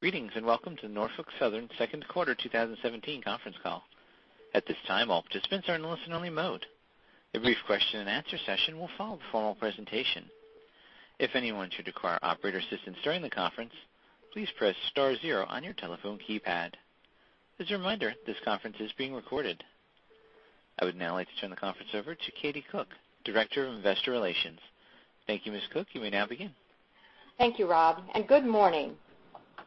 Greetings. Welcome to the Norfolk Southern second quarter 2017 conference call. At this time, all participants are in listen-only mode. A brief question and answer session will follow the formal presentation. If anyone should require operator assistance during the conference, please press star zero on your telephone keypad. As a reminder, this conference is being recorded. I would now like to turn the conference over to Katie Cook, Director of Investor Relations. Thank you, Ms. Cook. You may now begin. Thank you, Rob. Good morning.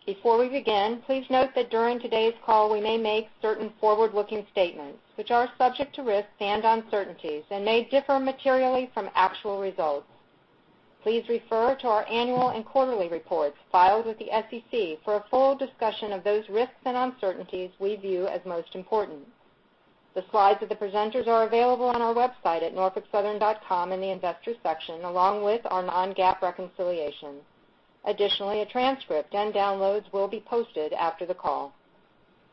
Before we begin, please note that during today's call, we may make certain forward-looking statements, which are subject to risks and uncertainties and may differ materially from actual results. Please refer to our annual and quarterly reports filed with the SEC for a full discussion of those risks and uncertainties we view as most important. The slides of the presenters are available on our website at norfolksouthern.com in the investor section, along with our non-GAAP reconciliation. Additionally, a transcript and downloads will be posted after the call.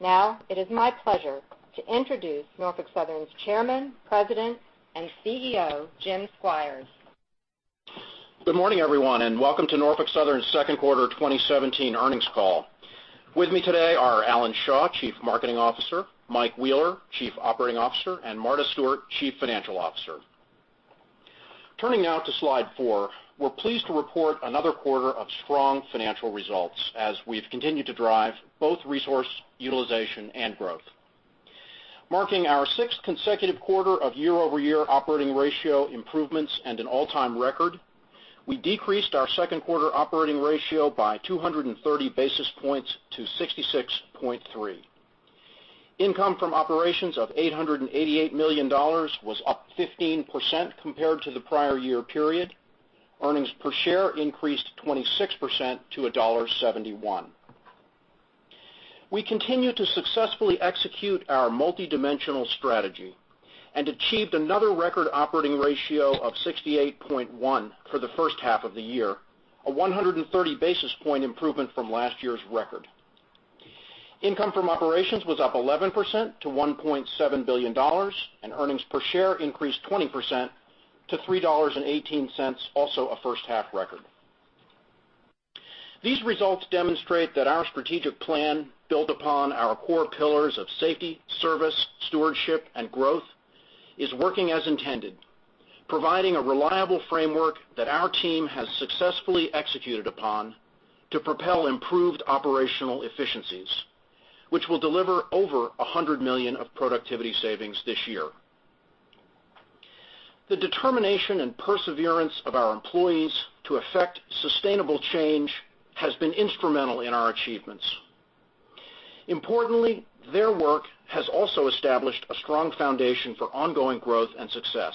It is my pleasure to introduce Norfolk Southern's Chairman, President, and CEO, Jim Squires. Good morning, everyone. Welcome to Norfolk Southern's second quarter 2017 earnings call. With me today are Alan Shaw, Chief Marketing Officer, Mike Wheeler, Chief Operating Officer, and Marta Stewart, Chief Financial Officer. Turning now to slide four, we're pleased to report another quarter of strong financial results as we've continued to drive both resource utilization and growth. Marking our sixth consecutive quarter of year-over-year operating ratio improvements and an all-time record, we decreased our second quarter operating ratio by 230 basis points to 66.3. Income from operations of $888 million was up 15% compared to the prior year period. Earnings per share increased 26% to $1.71. We continue to successfully execute our multidimensional strategy and achieved another record operating ratio of 68.1 for the first half of the year, a 130 basis point improvement from last year's record. Income from operations was up 11% to $1.7 billion. Earnings per share increased 20% to $3.18, also a first-half record. These results demonstrate that our strategic plan, built upon our core pillars of safety, service, stewardship, and growth, is working as intended, providing a reliable framework that our team has successfully executed upon to propel improved operational efficiencies, which will deliver over $100 million of productivity savings this year. The determination and perseverance of our employees to affect sustainable change has been instrumental in our achievements. Importantly, their work has also established a strong foundation for ongoing growth and success.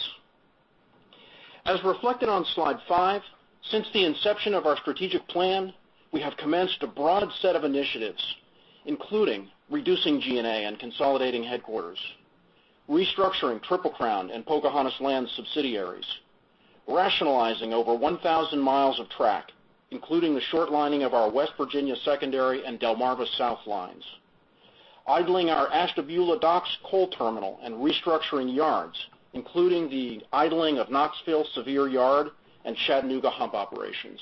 As reflected on slide five, since the inception of our strategic plan, we have commenced a broad set of initiatives, including reducing G&A and consolidating headquarters, restructuring Triple Crown and Pocahontas Land subsidiaries, rationalizing over 1,000 miles of track, including the short lining of our West Virginia secondary and Delmarva South lines, idling our Ashtabula Docks coal terminal and restructuring yards, including the idling of John Sevier Yard and Chattanooga hump operations,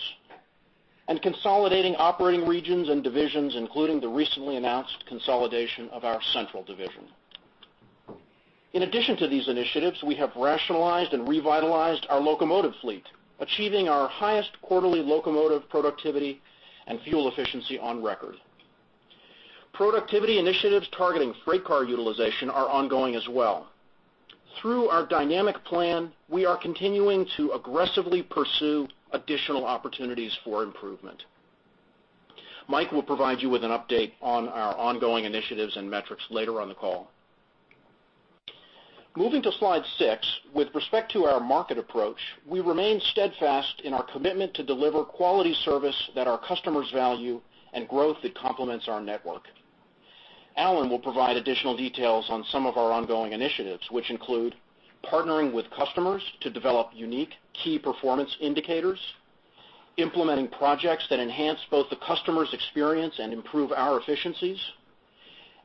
and consolidating operating regions and divisions, including the recently announced consolidation of our central division. In addition to these initiatives, we have rationalized and revitalized our locomotive fleet, achieving our highest quarterly locomotive productivity and fuel efficiency on record. Productivity initiatives targeting freight car utilization are ongoing as well. Through our dynamic plan, we are continuing to aggressively pursue additional opportunities for improvement. Mike will provide you with an update on our ongoing initiatives and metrics later on the call. Moving to slide six, with respect to our market approach, we remain steadfast in our commitment to deliver quality service that our customers value and growth that complements our network. Alan will provide additional details on some of our ongoing initiatives, which include partnering with customers to develop unique key performance indicators, implementing projects that enhance both the customer's experience and improve our efficiencies,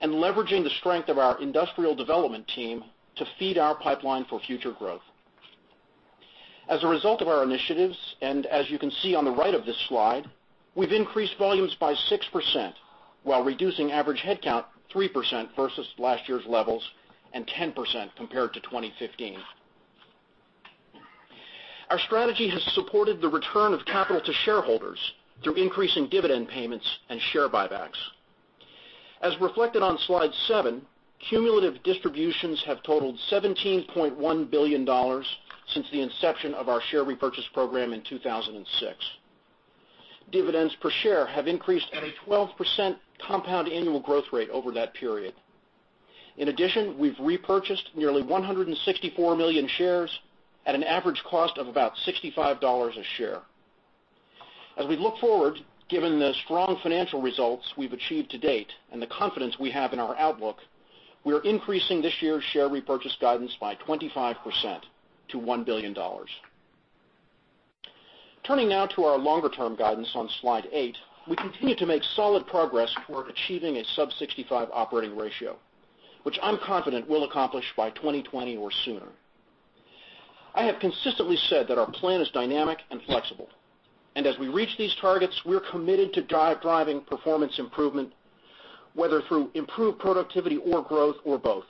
and leveraging the strength of our industrial development team to feed our pipeline for future growth. As a result of our initiatives, as you can see on the right of this slide, we've increased volumes by 6% while reducing average headcount 3% versus last year's levels and 10% compared to 2015. Our strategy has supported the return of capital to shareholders through increasing dividend payments and share buybacks. As reflected on slide seven, cumulative distributions have totaled $17.1 billion since the inception of our share repurchase program in 2006. Dividends per share have increased at a 12% compound annual growth rate over that period. In addition, we've repurchased nearly 164 million shares at an average cost of about $65 a share. As we look forward, given the strong financial results we've achieved to date and the confidence we have in our outlook, we are increasing this year's share repurchase guidance by 25% to $1 billion. Turning now to our longer-term guidance on slide eight, we continue to make solid progress toward achieving a sub 65 operating ratio, which I'm confident we'll accomplish by 2020 or sooner I have consistently said that our plan is dynamic and flexible. As we reach these targets, we are committed to driving performance improvement, whether through improved productivity or growth or both.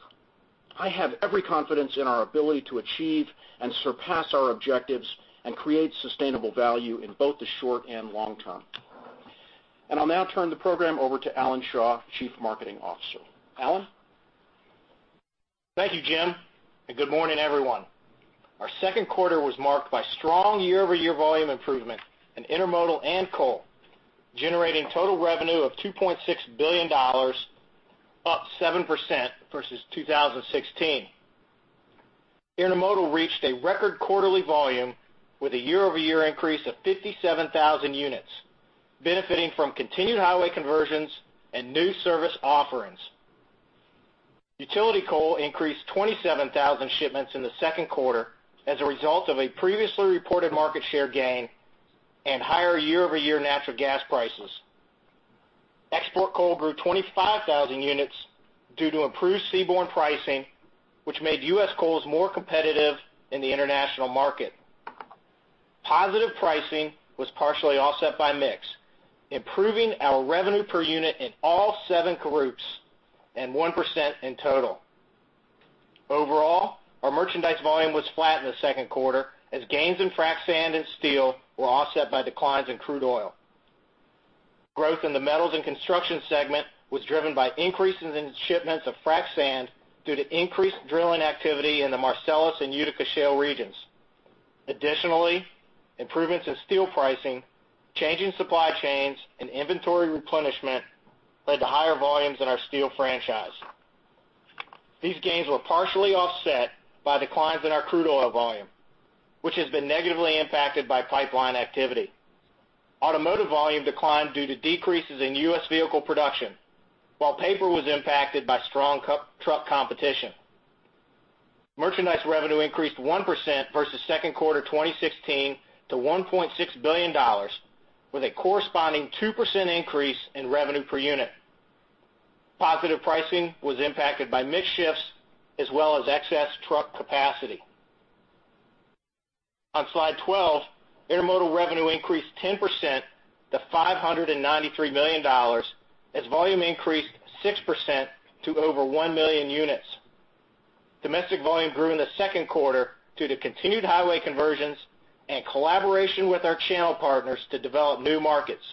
I have every confidence in our ability to achieve and surpass our objectives and create sustainable value in both the short and long term. I'll now turn the program over to Alan Shaw, Chief Marketing Officer. Alan? Thank you, Jim, and good morning, everyone. Our second quarter was marked by strong year-over-year volume improvement in Intermodal and Coal, generating total revenue of $2.6 billion, up 7% versus 2016. Intermodal reached a record quarterly volume with a year-over-year increase of 57,000 units, benefiting from continued highway conversions and new service offerings. Utility coal increased 27,000 shipments in the second quarter as a result of a previously reported market share gain and higher year-over-year natural gas prices. Export coal grew 25,000 units due to improved seaborne pricing, which made U.S. coals more competitive in the international market. Positive pricing was partially offset by mix, improving our revenue per unit in all seven groups and 1% in total. Overall, our merchandise volume was flat in the second quarter, as gains in frac sand and steel were offset by declines in crude oil. Growth in the metals and construction segment was driven by increases in shipments of frac sand due to increased drilling activity in the Marcellus and Utica shale regions. Additionally, improvements in steel pricing, changing supply chains, and inventory replenishment led to higher volumes in our steel franchise. These gains were partially offset by declines in our crude oil volume, which has been negatively impacted by pipeline activity. Automotive volume declined due to decreases in U.S. vehicle production, while paper was impacted by strong truck competition. Merchandise revenue increased 1% versus second quarter 2016 to $1.6 billion, with a corresponding 2% increase in revenue per unit. Positive pricing was impacted by mix shifts as well as excess truck capacity. On slide 12, Intermodal revenue increased 10% to $593 million as volume increased 6% to over one million units. Domestic volume grew in the second quarter due to continued highway conversions and collaboration with our channel partners to develop new markets.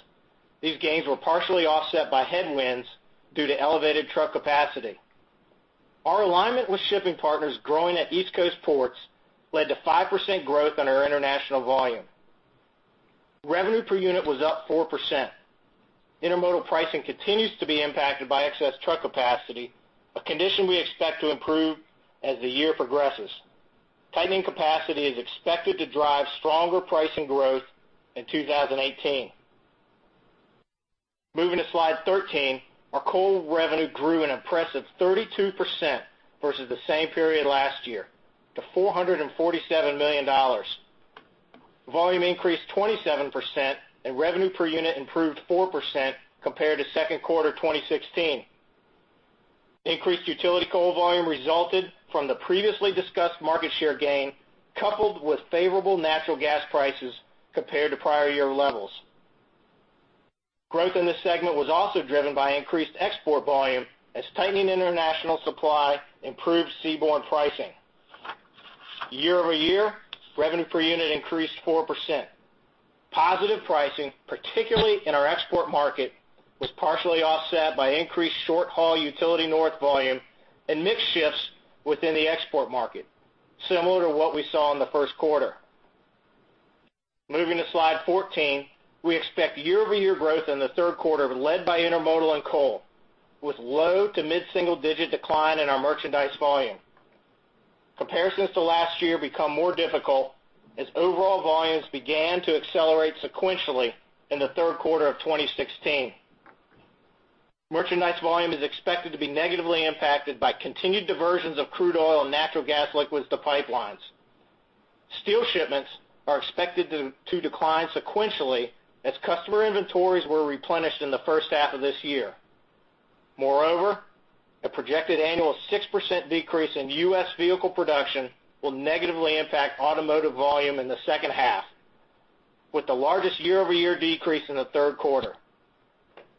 These gains were partially offset by headwinds due to elevated truck capacity. Our alignment with shipping partners growing at East Coast ports led to 5% growth on our international volume. Revenue per unit was up 4%. Intermodal pricing continues to be impacted by excess truck capacity, a condition we expect to improve as the year progresses. Tightening capacity is expected to drive stronger pricing growth in 2018. Moving to slide 13, our coal revenue grew an impressive 32% versus the same period last year to $447 million. Volume increased 27%, and revenue per unit improved 4% compared to second quarter 2016. Increased Utility coal volume resulted from the previously discussed market share gain, coupled with favorable natural gas prices compared to prior year levels. Growth in this segment was also driven by increased export volume as tightening international supply improved seaborne pricing. Year-over-year, revenue per unit increased 4%. Positive pricing, particularly in our export market, was partially offset by increased short-haul Utility North volume and mix shifts within the export market, similar to what we saw in the first quarter. Moving to slide 14, we expect year-over-year growth in the third quarter led by Intermodal and Coal, with low to mid-single-digit decline in our merchandise volume. Comparisons to last year become more difficult as overall volumes began to accelerate sequentially in the third quarter of 2016. Merchandise volume is expected to be negatively impacted by continued diversions of crude oil and natural gas liquids to pipelines. Steel shipments are expected to decline sequentially as customer inventories were replenished in the first half of this year. Moreover, a projected annual 6% decrease in U.S. vehicle production will negatively impact automotive volume in the second half, with the largest year-over-year decrease in the third quarter.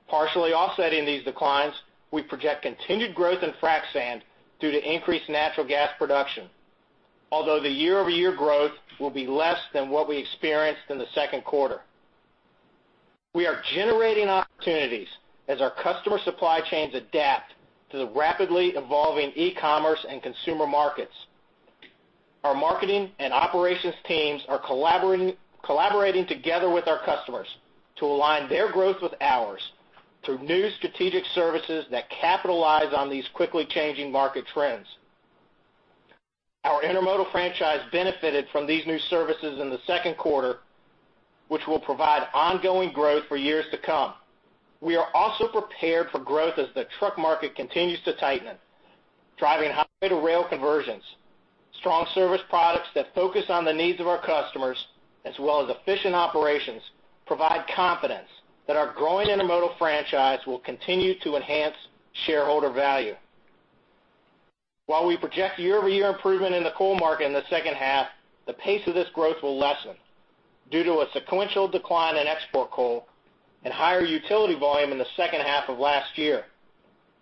Partially offsetting these declines, we project continued growth in frac sand due to increased natural gas production. Although the year-over-year growth will be less than what we experienced in the second quarter. We are generating opportunities as our customer supply chains adapt to the rapidly evolving e-commerce and consumer markets. Our marketing and operations teams are collaborating together with our customers to align their growth with ours through new strategic services that capitalize on these quickly changing market trends. Our Intermodal franchise benefited from these new services in the second quarter, which will provide ongoing growth for years to come. We are also prepared for growth as the truck market continues to tighten, driving highway to rail conversions. Strong service products that focus on the needs of our customers, as well as efficient operations, provide confidence that our growing Intermodal franchise will continue to enhance shareholder value. While we project year-over-year improvement in the coal market in the second half, the pace of this growth will lessen due to a sequential decline in export coal and higher utility volume in the second half of last year.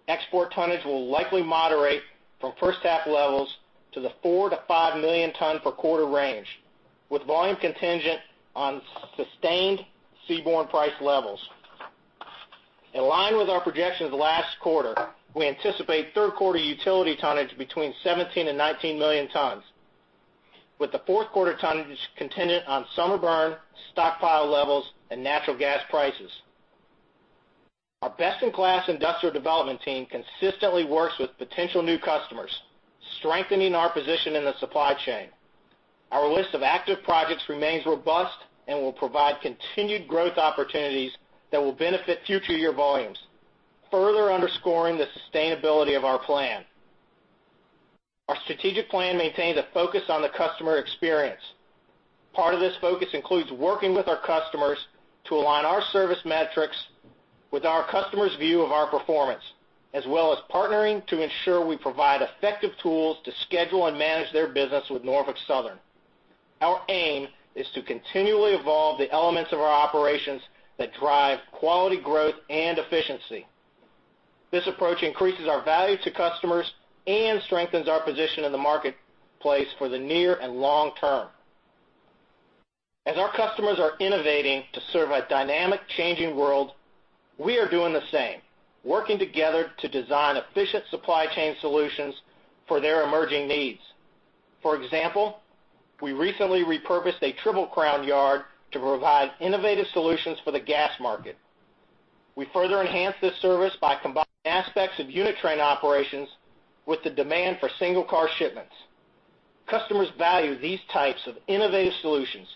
Export tonnage will likely moderate from first half levels to the 4 million to 5 million ton per quarter range, with volume contingent on sustained seaborne price levels. In line with our projections last quarter, we anticipate third quarter utility tonnage between 17 million and 19 million tons, with the fourth quarter tonnage contingent on summer burn, stockpile levels, and natural gas prices. Our best-in-class industrial development team consistently works with potential new customers, strengthening our position in the supply chain. Our list of active projects remains robust and will provide continued growth opportunities that will benefit future year volumes, further underscoring the sustainability of our plan. Our strategic plan maintains a focus on the customer experience. Part of this focus includes working with our customers to align our service metrics with our customers' view of our performance, as well as partnering to ensure we provide effective tools to schedule and manage their business with Norfolk Southern. Our aim is to continually evolve the elements of our operations that drive quality growth and efficiency. This approach increases our value to customers and strengthens our position in the marketplace for the near and long term. As our customers are innovating to serve a dynamic, changing world, we are doing the same, working together to design efficient supply chain solutions for their emerging needs. For example, we recently repurposed a Triple Crown yard to provide innovative solutions for the gas market. We further enhanced this service by combining aspects of unit train operations with the demand for single car shipments. Customers value these types of innovative solutions,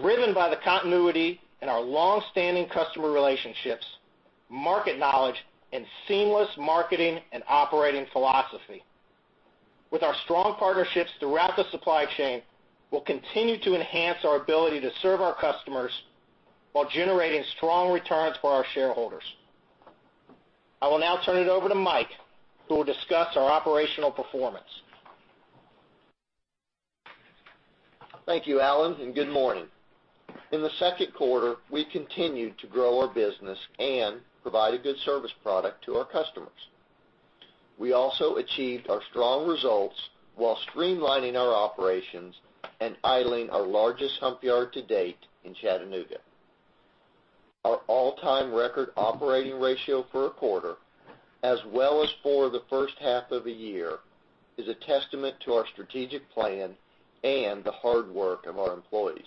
driven by the continuity in our long-standing customer relationships, market knowledge, and seamless marketing and operating philosophy. With our strong partnerships throughout the supply chain, we'll continue to enhance our ability to serve our customers while generating strong returns for our shareholders. I will now turn it over to Mike, who will discuss our operational performance. Thank you, Alan, and good morning. In the second quarter, we continued to grow our business and provide a good service product to our customers. We also achieved our strong results while streamlining our operations and idling our largest hump yard to date in Chattanooga. Our all-time record operating ratio for a quarter, as well as for the first half of a year, is a testament to our strategic plan and the hard work of our employees.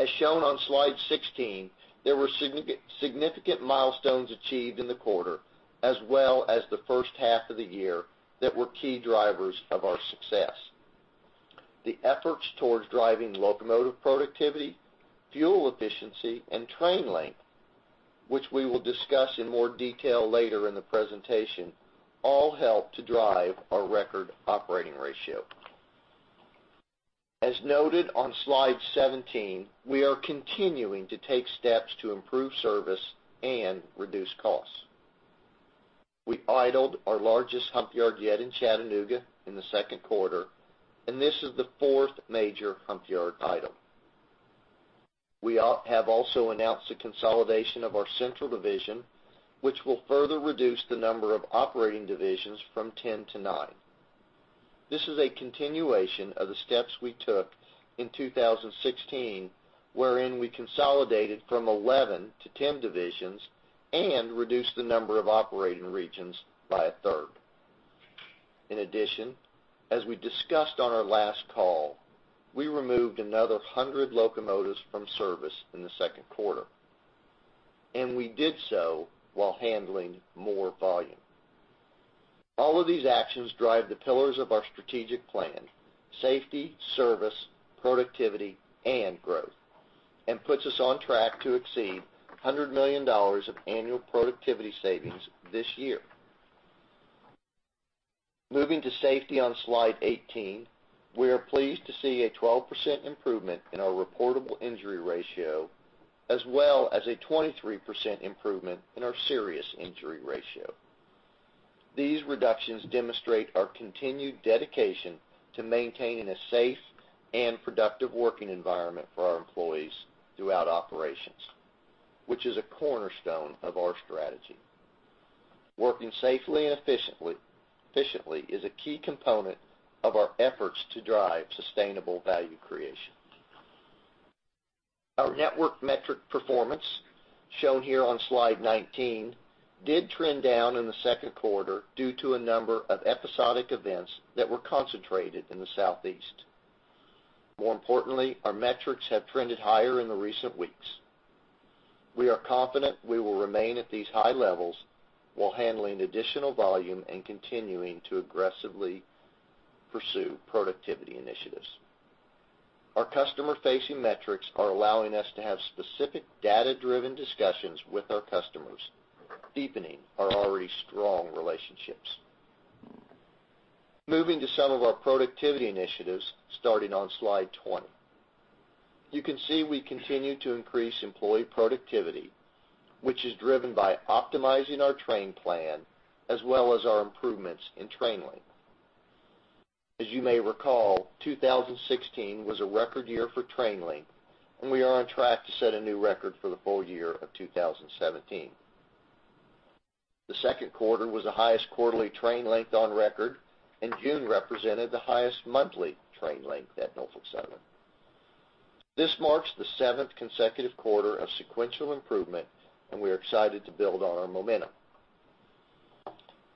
As shown on slide 16, there were significant milestones achieved in the quarter, as well as the first half of the year, that were key drivers of our success. The efforts towards driving locomotive productivity, fuel efficiency, and train length, which we will discuss in more detail later in the presentation, all help to drive our record operating ratio. As noted on slide 17, we are continuing to take steps to improve service and reduce costs. We idled our largest hump yard yet in Chattanooga in the second quarter, and this is the fourth major hump yard idle. We have also announced the consolidation of our central division, which will further reduce the number of operating divisions from 10 to nine. This is a continuation of the steps we took in 2016, wherein we consolidated from 11 to 10 divisions and reduced the number of operating regions by a third. In addition, as we discussed on our last call, we removed another 100 locomotives from service in the second quarter, and we did so while handling more volume. All of these actions drive the pillars of our strategic plan, safety, service, productivity, and growth, and puts us on track to exceed $100 million of annual productivity savings this year. Moving to safety on slide 18, we are pleased to see a 12% improvement in our reportable injury ratio, as well as a 23% improvement in our serious injury ratio. These reductions demonstrate our continued dedication to maintaining a safe and productive working environment for our employees throughout operations, which is a cornerstone of our strategy. Working safely and efficiently is a key component of our efforts to drive sustainable value creation. Our network metric performance, shown here on slide 19, did trend down in the second quarter due to a number of episodic events that were concentrated in the Southeast. More importantly, our metrics have trended higher in the recent weeks. We are confident we will remain at these high levels while handling additional volume and continuing to aggressively pursue productivity initiatives. Our customer-facing metrics are allowing us to have specific data-driven discussions with our customers, deepening our already strong relationships. Moving to some of our productivity initiatives, starting on slide 20. You can see we continue to increase employee productivity, which is driven by optimizing our train plan as well as our improvements in train length. As you may recall, 2016 was a record year for train length, and we are on track to set a new record for the full year of 2017. The second quarter was the highest quarterly train length on record, and June represented the highest monthly train length at Norfolk Southern. This marks the seventh consecutive quarter of sequential improvement, and we are excited to build on our momentum.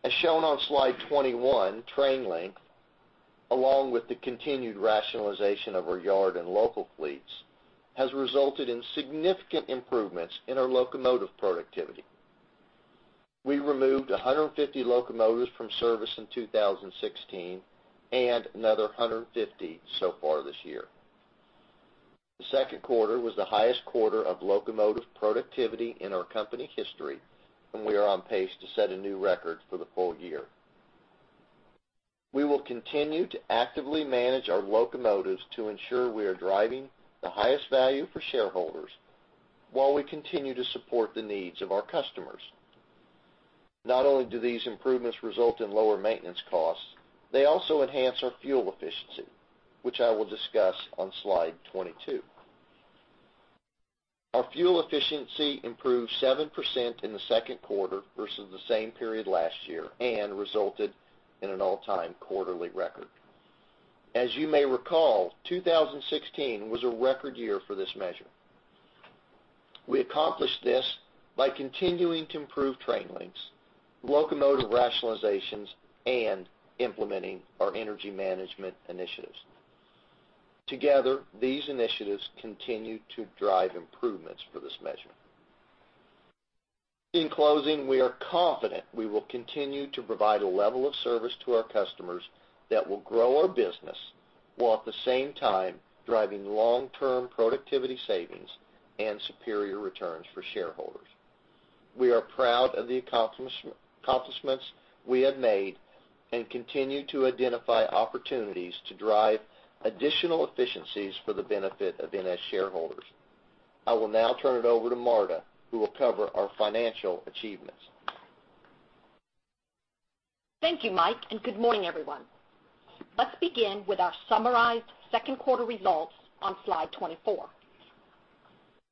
As shown on slide 21, train length, along with the continued rationalization of our yard and local fleets, has resulted in significant improvements in our locomotive productivity. We removed 150 locomotives from service in 2016 and another 150 so far this year. The second quarter was the highest quarter of locomotive productivity in our company history, and we are on pace to set a new record for the full year. We will continue to actively manage our locomotives to ensure we are driving the highest value for shareholders while we continue to support the needs of our customers. Not only do these improvements result in lower maintenance costs, they also enhance our fuel efficiency, which I will discuss on slide 22. Our fuel efficiency improved 7% in the second quarter versus the same period last year and resulted in an all-time quarterly record. As you may recall, 2016 was a record year for this measure. We accomplished this by continuing to improve train lengths, locomotive rationalizations, and implementing our energy management initiatives. Together, these initiatives continue to drive improvements for this measure. In closing, we are confident we will continue to provide a level of service to our customers that will grow our business, while at the same time driving long-term productivity savings and superior returns for shareholders. We are proud of the accomplishments we have made and continue to identify opportunities to drive additional efficiencies for the benefit of NS shareholders. I will now turn it over to Marta, who will cover our financial achievements. Thank you, Mike, and good morning, everyone. Let's begin with our summarized second quarter results on slide 24.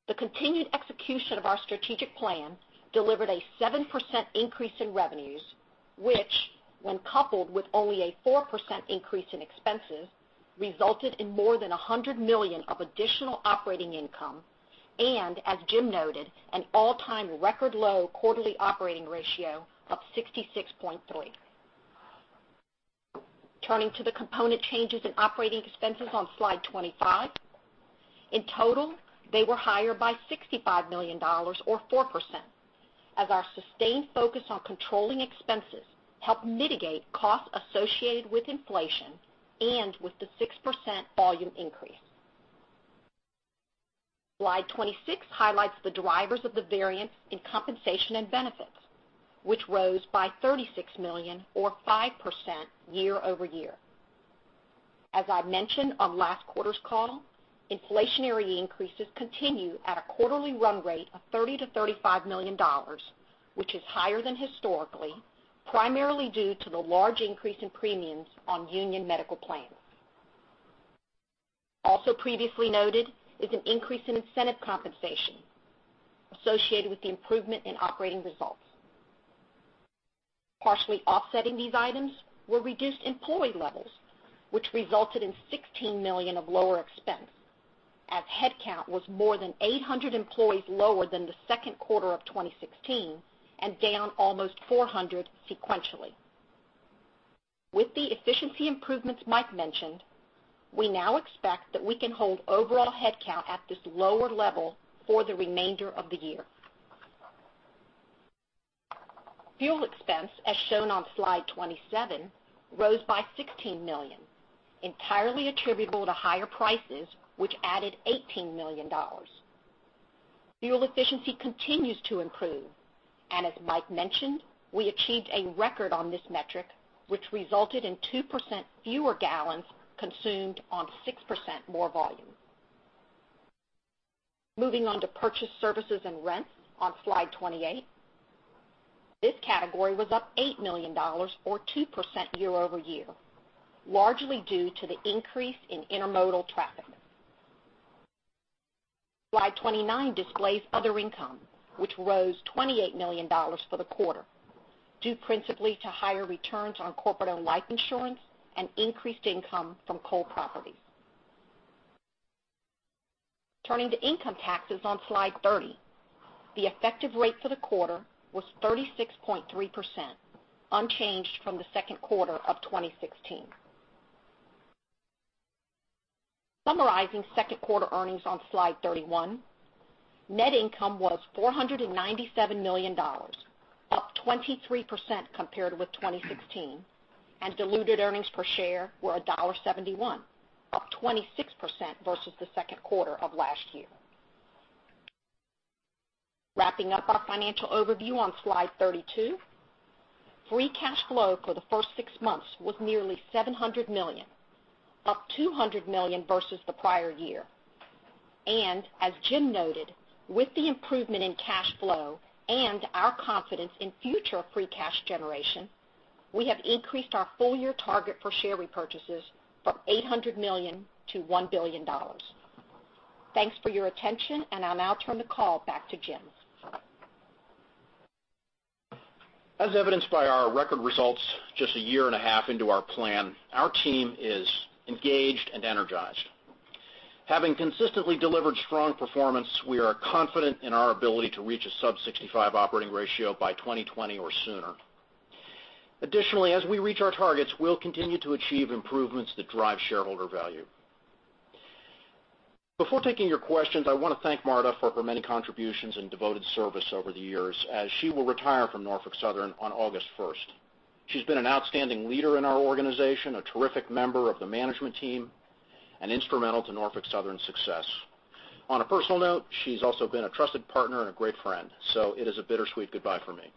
The continued execution of our strategic plan delivered a 7% increase in revenues, which, when coupled with only a 4% increase in expenses, resulted in more than $100 million of additional operating income and, as Jim noted, an all-time record low quarterly operating ratio of 66.3. Turning to the component changes in operating expenses on slide 25. In total, they were higher by $65 million, or 4%, as our sustained focus on controlling expenses helped mitigate costs associated with inflation and with the 6% volume increase. Slide 26 highlights the drivers of the variance in compensation and benefits, which rose by $36 million or 5% year-over-year. As I mentioned on last quarter's call, inflationary increases continue at a quarterly run rate of $30 million-$35 million, which is higher than historically, primarily due to the large increase in premiums on union medical plans. Also previously noted is an increase in incentive compensation associated with the improvement in operating results. Partially offsetting these items were reduced employee levels, which resulted in $16 million of lower expense as headcount was more than 800 employees lower than the second quarter of 2016 and down almost 400 sequentially. With the efficiency improvements Mike mentioned, we now expect that we can hold overall headcount at this lower level for the remainder of the year. Fuel expense, as shown on slide 27, rose by $16 million, entirely attributable to higher prices, which added $18 million. Fuel efficiency continues to improve. As Mike mentioned, we achieved a record on this metric, which resulted in 2% fewer gallons consumed on 6% more volume. Moving on to purchased services and rents on slide 28. This category was up $8 million, or 2% year-over-year, largely due to the increase in intermodal traffic. Slide 29 displays other income, which rose $28 million for the quarter, due principally to higher returns on corporate-owned life insurance and increased income from coal properties. Turning to income taxes on slide 30. The effective rate for the quarter was 36.3%, unchanged from the second quarter of 2016. Summarizing second quarter earnings on slide 31, net income was $497 million, up 23% compared with 2016, and diluted earnings per share were $1.71, up 26% versus the second quarter of last year. Wrapping up our financial overview on slide 32. Free cash flow for the first six months was nearly $700 million, up $200 million versus the prior year. As Jim noted, with the improvement in cash flow and our confidence in future free cash generation, we have increased our full-year target for share repurchases from $800 million to $1 billion. Thanks for your attention. I'll now turn the call back to Jim. As evidenced by our record results just a year and a half into our plan, our team is engaged and energized. Having consistently delivered strong performance, we are confident in our ability to reach a sub 65 operating ratio by 2020 or sooner. Additionally, as we reach our targets, we'll continue to achieve improvements that drive shareholder value. Before taking your questions, I want to thank Marta for her many contributions and devoted service over the years, as she will retire from Norfolk Southern on August 1st. She's been an outstanding leader in our organization, a terrific member of the management team, and instrumental to Norfolk Southern's success. On a personal note, she's also been a trusted partner and a great friend. It is a bittersweet goodbye for me.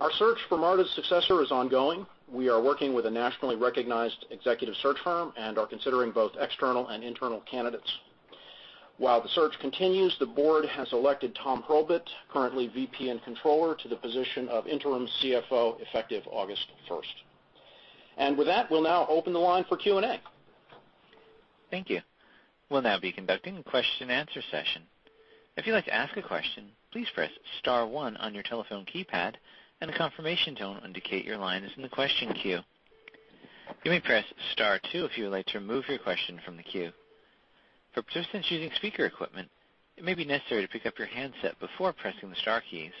Our search for Marta's successor is ongoing. We are working with a nationally recognized executive search firm and are considering both external and internal candidates. While the search continues, the board has elected Tom Hurlbut, currently VP and Controller, to the position of interim CFO effective August 1st. With that, we'll now open the line for Q&A. Thank you. We'll now be conducting a question and answer session. If you'd like to ask a question, please press *1 on your telephone keypad, and a confirmation tone will indicate your line is in the question queue. You may press *2 if you would like to remove your question from the queue. For participants using speaker equipment, it may be necessary to pick up your handset before pressing the star keys.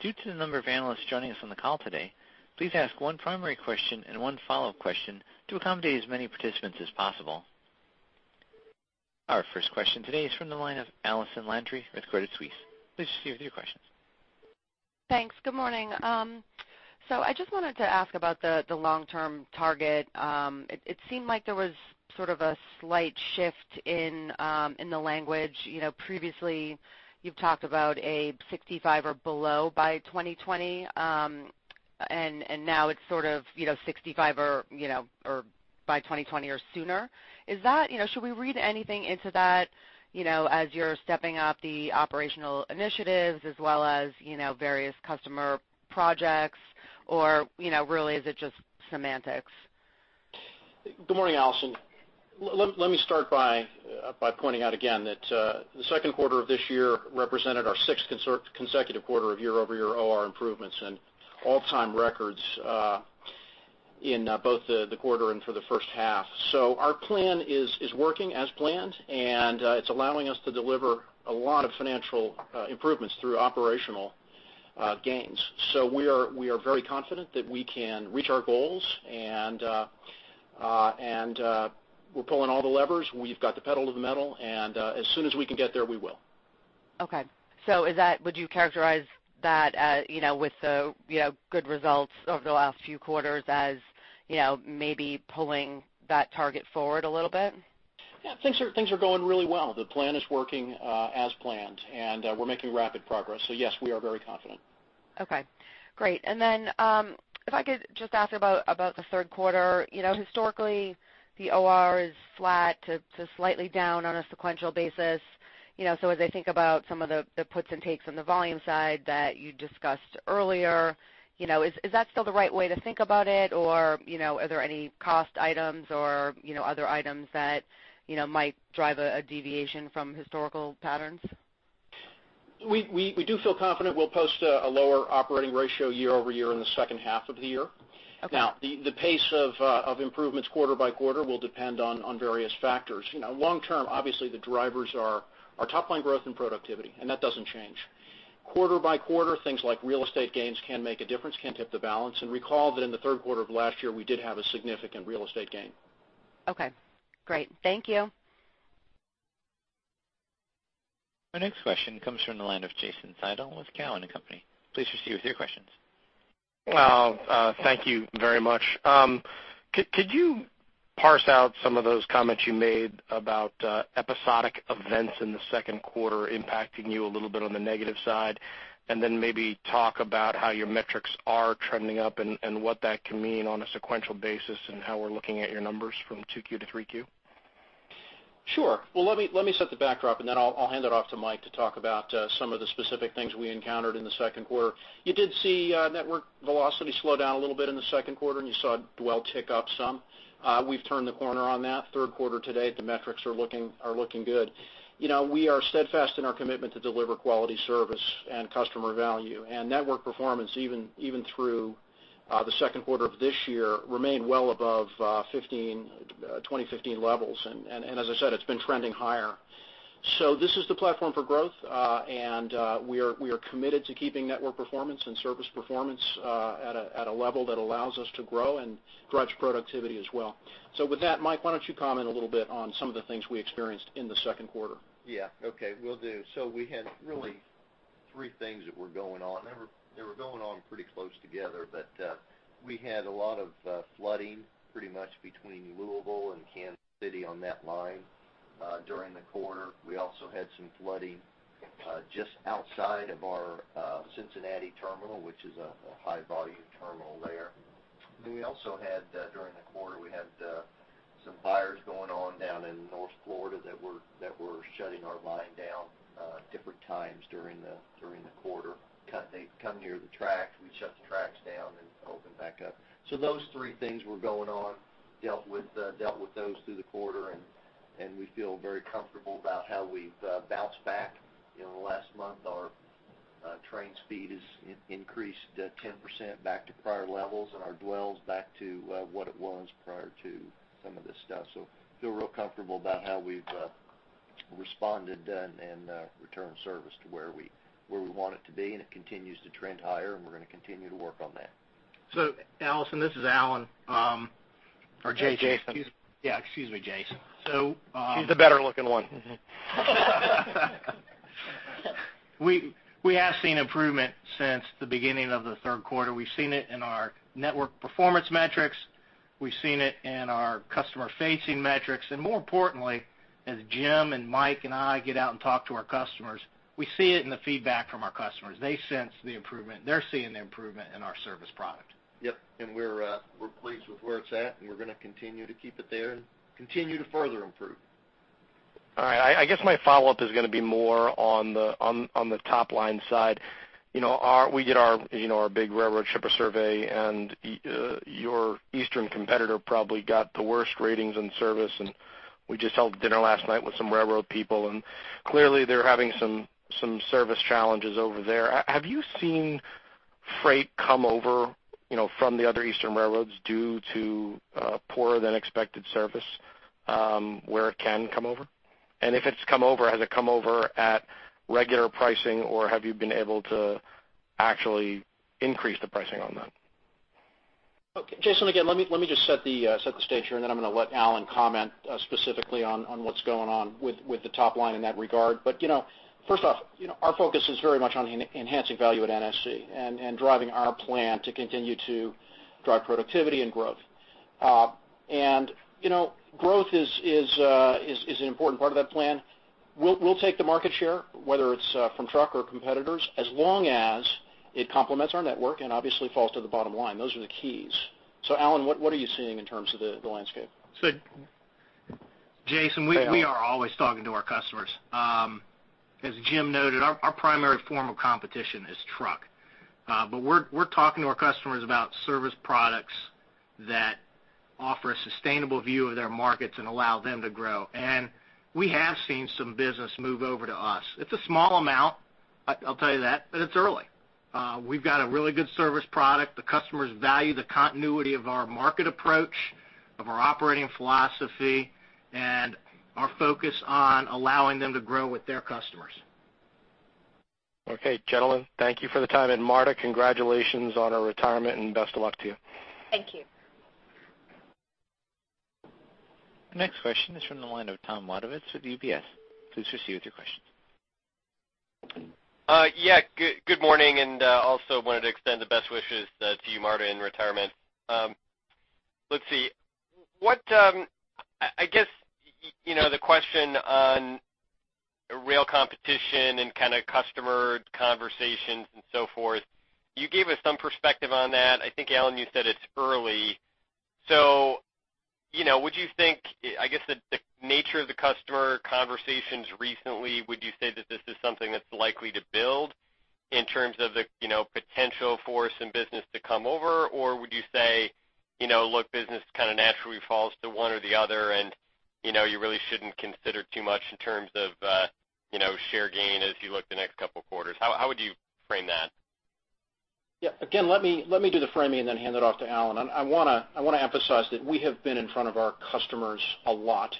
Due to the number of analysts joining us on the call today, please ask one primary question and one follow-up question to accommodate as many participants as possible. Our first question today is from the line of Allison Landry with Credit Suisse. Please proceed with your questions. Thanks. Good morning. I just wanted to ask about the long-term target. It seemed like there was sort of a slight shift in the language. Previously, you've talked about a 65 or below by 2020, and now it's sort of 65 by 2020 or sooner. Should we read anything into that as you're stepping up the operational initiatives as well as various customer projects, or really is it just semantics? Good morning, Allison. Let me start by pointing out again that the second quarter of this year represented our sixth consecutive quarter of year-over-year OR improvements and all-time records in both the quarter and for the first half. Our plan is working as planned, and it's allowing us to deliver a lot of financial improvements through operational gains. We are very confident that we can reach our goals, and we're pulling all the levers. We've got the pedal to the metal, and as soon as we can get there, we will. Okay. Would you characterize that with the good results over the last few quarters as maybe pulling that target forward a little bit? Yeah, things are going really well. The plan is working as planned, and we're making rapid progress. Yes, we are very confident. Okay, great. If I could just ask about the third quarter. Historically, the OR is flat to slightly down on a sequential basis. As I think about some of the puts and takes on the volume side that you discussed earlier, is that still the right way to think about it? Are there any cost items or other items that might drive a deviation from historical patterns? We do feel confident we'll post a lower operating ratio year-over-year in the second half of the year. Okay. The pace of improvements quarter-by-quarter will depend on various factors. Long term, obviously, the drivers are top-line growth and productivity, and that doesn't change. Quarter-by-quarter, things like real estate gains can make a difference, can tip the balance. Recall that in the third quarter of last year, we did have a significant real estate gain. Okay, great. Thank you. Our next question comes from the line of Jason Seidl with Cowen and Company. Please proceed with your questions. Thank you very much. Could you parse out some of those comments you made about episodic events in the second quarter impacting you a little bit on the negative side, and then maybe talk about how your metrics are trending up and what that can mean on a sequential basis, and how we're looking at your numbers from 2Q to 3Q? Sure. Well, let me set the backdrop, and then I'll hand it off to Mike to talk about some of the specific things we encountered in the second quarter. You did see network velocity slow down a little bit in the second quarter, and you saw dwell tick up some. We've turned the corner on that. Third quarter today, the metrics are looking good. We are steadfast in our commitment to deliver quality service and customer value. Network performance, even through the second quarter of this year, remained well above 2015 levels. As I said, it's been trending higher. This is the platform for growth, and we are committed to keeping network performance and service performance at a level that allows us to grow and drives productivity as well. With that, Mike, why don't you comment a little bit on some of the things we experienced in the second quarter? Yeah. Okay, will do. We had really Three things that were going on. They were going on pretty close together, but we had a lot of flooding pretty much between Louisville and Kansas City on that line during the quarter. We also had some flooding just outside of our Cincinnati terminal, which is a high-volume terminal there. We also had, during the quarter, we had some fires going on down in North Florida that were shutting our line down different times during the quarter. They come near the tracks, we shut the tracks down, and open back up. Those three things were going on. Dealt with those through the quarter, and we feel very comfortable about how we've bounced back. In the last month, our train speed has increased 10% back to prior levels and our dwells back to what it was prior to some of this stuff. Feel real comfortable about how we've responded and returned service to where we want it to be, and it continues to trend higher, and we're going to continue to work on that. Allison, this is Alan. Or Jason. Jason. Yeah. Excuse me, Jason. He's the better-looking one. We have seen improvement since the beginning of the third quarter. We've seen it in our network performance metrics. We've seen it in our customer-facing metrics. More importantly, as Jim and Mike and I get out and talk to our customers, we see it in the feedback from our customers. They sense the improvement. They're seeing the improvement in our service product. Yep. We're pleased with where it's at, and we're going to continue to keep it there and continue to further improve. All right. I guess my follow-up is going to be more on the top-line side. We get our big railroad shipper survey, your eastern competitor probably got the worst ratings in service, and we just held dinner last night with some railroad people, and clearly, they're having some service challenges over there. Have you seen freight come over from the other eastern railroads due to poorer than expected service, where it can come over? If it's come over, has it come over at regular pricing, or have you been able to actually increase the pricing on that? Okay. Jason, again, let me just set the stage here, and then I'm going to let Alan comment specifically on what's going on with the top line in that regard. First off, our focus is very much on enhancing value at NSC and driving our plan to continue to drive productivity and growth. Growth is an important part of that plan. We'll take the market share, whether it's from truck or competitors, as long as it complements our network and obviously falls to the bottom line. Those are the keys. Alan, what are you seeing in terms of the landscape? So Jason, we are always talking to our customers. As Jim noted, our primary form of competition is truck. We're talking to our customers about service products that offer a sustainable view of their markets and allow them to grow. We have seen some business move over to us. It's a small amount, I'll tell you that, but it's early. We've got a really good service product. The customers value the continuity of our market approach, of our operating philosophy, and our focus on allowing them to grow with their customers. Okay, gentlemen, thank you for the time. Marta, congratulations on your retirement and best of luck to you. Thank you. Next question is from the line of Thomas Wadewitz with UBS. Please proceed with your question. Yeah. Good morning, also wanted to extend the best wishes to you, Marta, in retirement. Let's see. I guess, the question on rail competition and kind of customer conversations and so forth, you gave us some perspective on that. I think, Alan, you said it's early. Would you think, I guess, the nature of the customer conversations recently, would you say that this is something that's likely to build in terms of the potential for some business to come over? Would you say, look, business kind of naturally falls to one or the other, and you really shouldn't consider too much in terms of share gain as you look the next couple of quarters? How would you frame that? Let me do the framing and then hand it off to Alan. I want to emphasize that we have been in front of our customers a lot.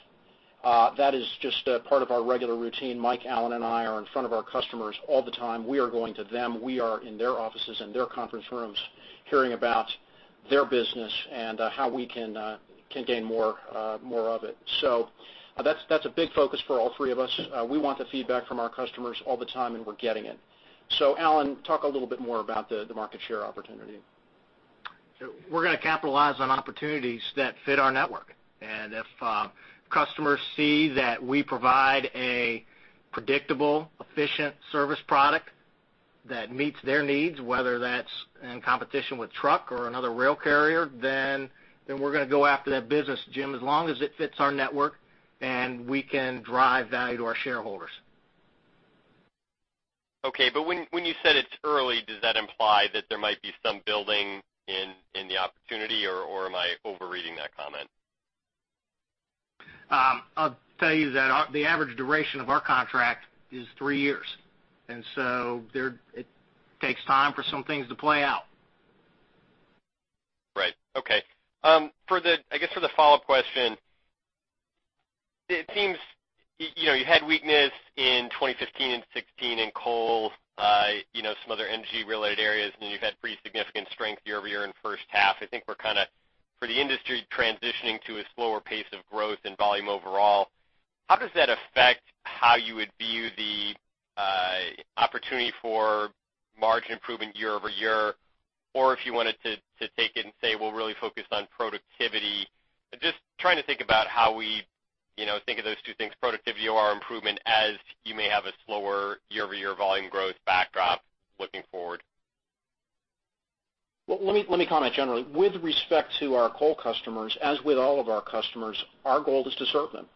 That is just a part of our regular routine. Mike, Alan, and I are in front of our customers all the time. We are going to them. We are in their offices and their conference rooms hearing about their business and how we can gain more of it. That's a big focus for all three of us. We want the feedback from our customers all the time, and we're getting it. Alan, talk a little bit more about the market share opportunity. We're going to capitalize on opportunities that fit our network. If customers see that we provide a predictable, efficient service product that meets their needs, whether that's in competition with truck or another rail carrier, we're going to go after that business, Jim, as long as it fits our network and we can drive value to our shareholders. When you said it's early, does that imply that there might be some building in the opportunity, or am I overreading that comment? I'll tell you that the average duration of our contract is three years, it takes time for some things to play out. Right. Okay. I guess for the follow-up question, it seems you had weakness in 2015 and 2016 in coal, some other energy-related areas, and then you've had pretty significant strength year-over-year in the first half. For the industry transitioning to a slower pace of growth and volume overall, how does that affect how you would view the opportunity for margin improvement year-over-year? Or if you wanted to take it and say, "We'll really focus on productivity." Just trying to think about how we think of those two things, productivity, OR improvement, as you may have a slower year-over-year volume growth backdrop looking forward. Well, let me comment generally. With respect to our coal customers, as with all of our customers, our goal is to serve them.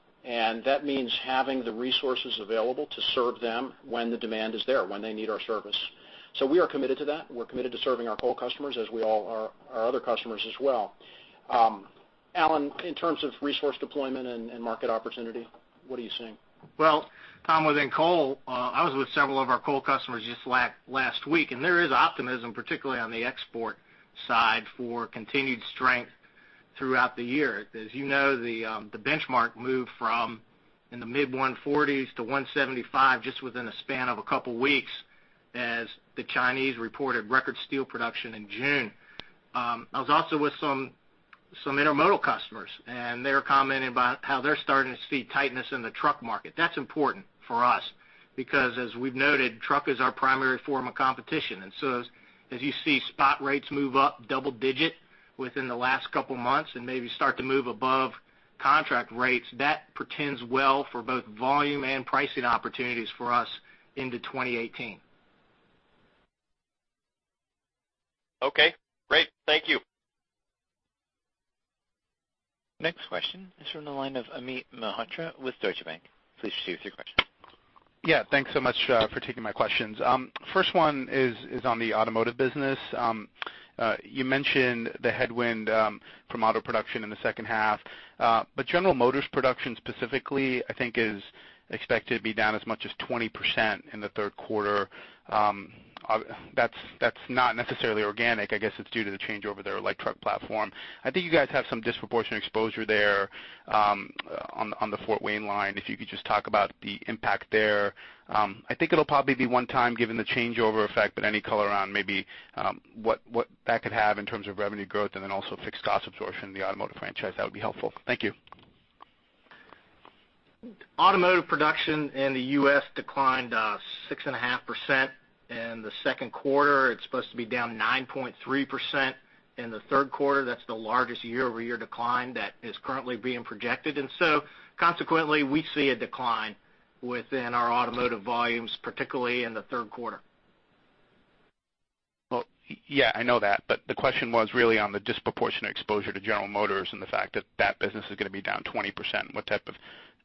That means having the resources available to serve them when the demand is there, when they need our service. We are committed to that. We're committed to serving our coal customers as we all are our other customers as well. Alan, in terms of resource deployment and market opportunity, what are you seeing? Well, Tom, within coal, I was with several of our coal customers just last week. There is optimism, particularly on the export side, for continued strength throughout the year. As you know, the benchmark moved from in the mid 140s to 175 just within a span of a couple weeks as the Chinese reported record steel production in June. I was also with some intermodal customers. They were commenting about how they're starting to see tightness in the truck market. That's important for us because as we've noted, truck is our primary form of competition. As you see spot rates move up double-digit within the last couple months and maybe start to move above contract rates, that portends well for both volume and pricing opportunities for us into 2018. Okay, great. Thank you. Next question is from the line of Amit Mehrotra with Deutsche Bank. Please proceed with your question. Yeah. Thanks so much for taking my questions. First one is on the automotive business. You mentioned the headwind from auto production in the second half. General Motors production specifically, I think is expected to be down as much as 20% in the third quarter. That's not necessarily organic. I guess it's due to the changeover of their electric truck platform. I think you guys have some disproportionate exposure there on the Fort Wayne line, if you could just talk about the impact there. I think it'll probably be one time given the changeover effect, but any color on maybe what that could have in terms of revenue growth and then also fixed cost absorption in the automotive franchise, that would be helpful. Thank you. Automotive production in the U.S. declined 6.5% in the second quarter. It's supposed to be down 9.3% in the third quarter. That's the largest year-over-year decline that is currently being projected. Consequently, we see a decline within our automotive volumes, particularly in the third quarter. Well, yeah, I know that. The question was really on the disproportionate exposure to General Motors and the fact that that business is going to be down 20%, what type of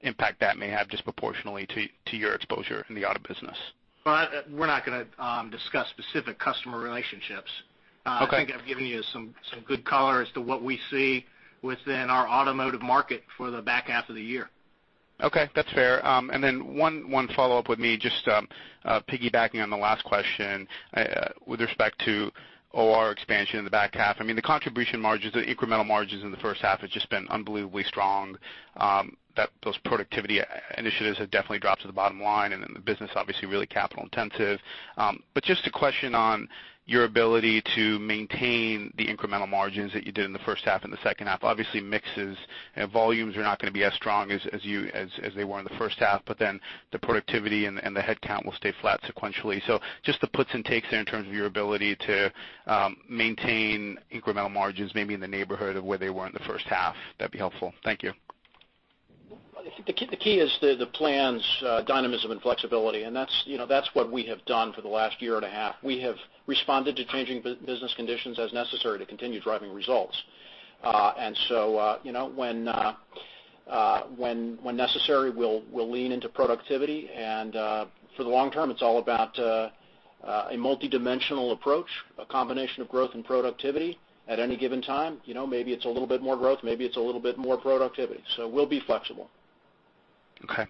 impact that may have disproportionately to your exposure in the auto business. Well, we're not going to discuss specific customer relationships. Okay. I think I've given you some good color as to what we see within our automotive market for the back half of the year. Okay. That's fair. One follow-up with me, just piggybacking on the last question with respect to OR expansion in the back half. The contribution margins, the incremental margins in the first half has just been unbelievably strong. Those productivity initiatives have definitely dropped to the bottom line, the business obviously really capital intensive. Just a question on your ability to maintain the incremental margins that you did in the first half and the second half. Obviously, mixes and volumes are not going to be as strong as they were in the first half, the productivity and the headcount will stay flat sequentially. Just the puts and takes there in terms of your ability to maintain incremental margins, maybe in the neighborhood of where they were in the first half. That'd be helpful. Thank you. The key is the plan's dynamism and flexibility, that's what we have done for the last year and a half. We have responded to changing business conditions as necessary to continue driving results. When necessary, we'll lean into productivity, for the long term, it's all about a multidimensional approach, a combination of growth and productivity at any given time. Maybe it's a little bit more growth, maybe it's a little bit more productivity. We'll be flexible. Okay.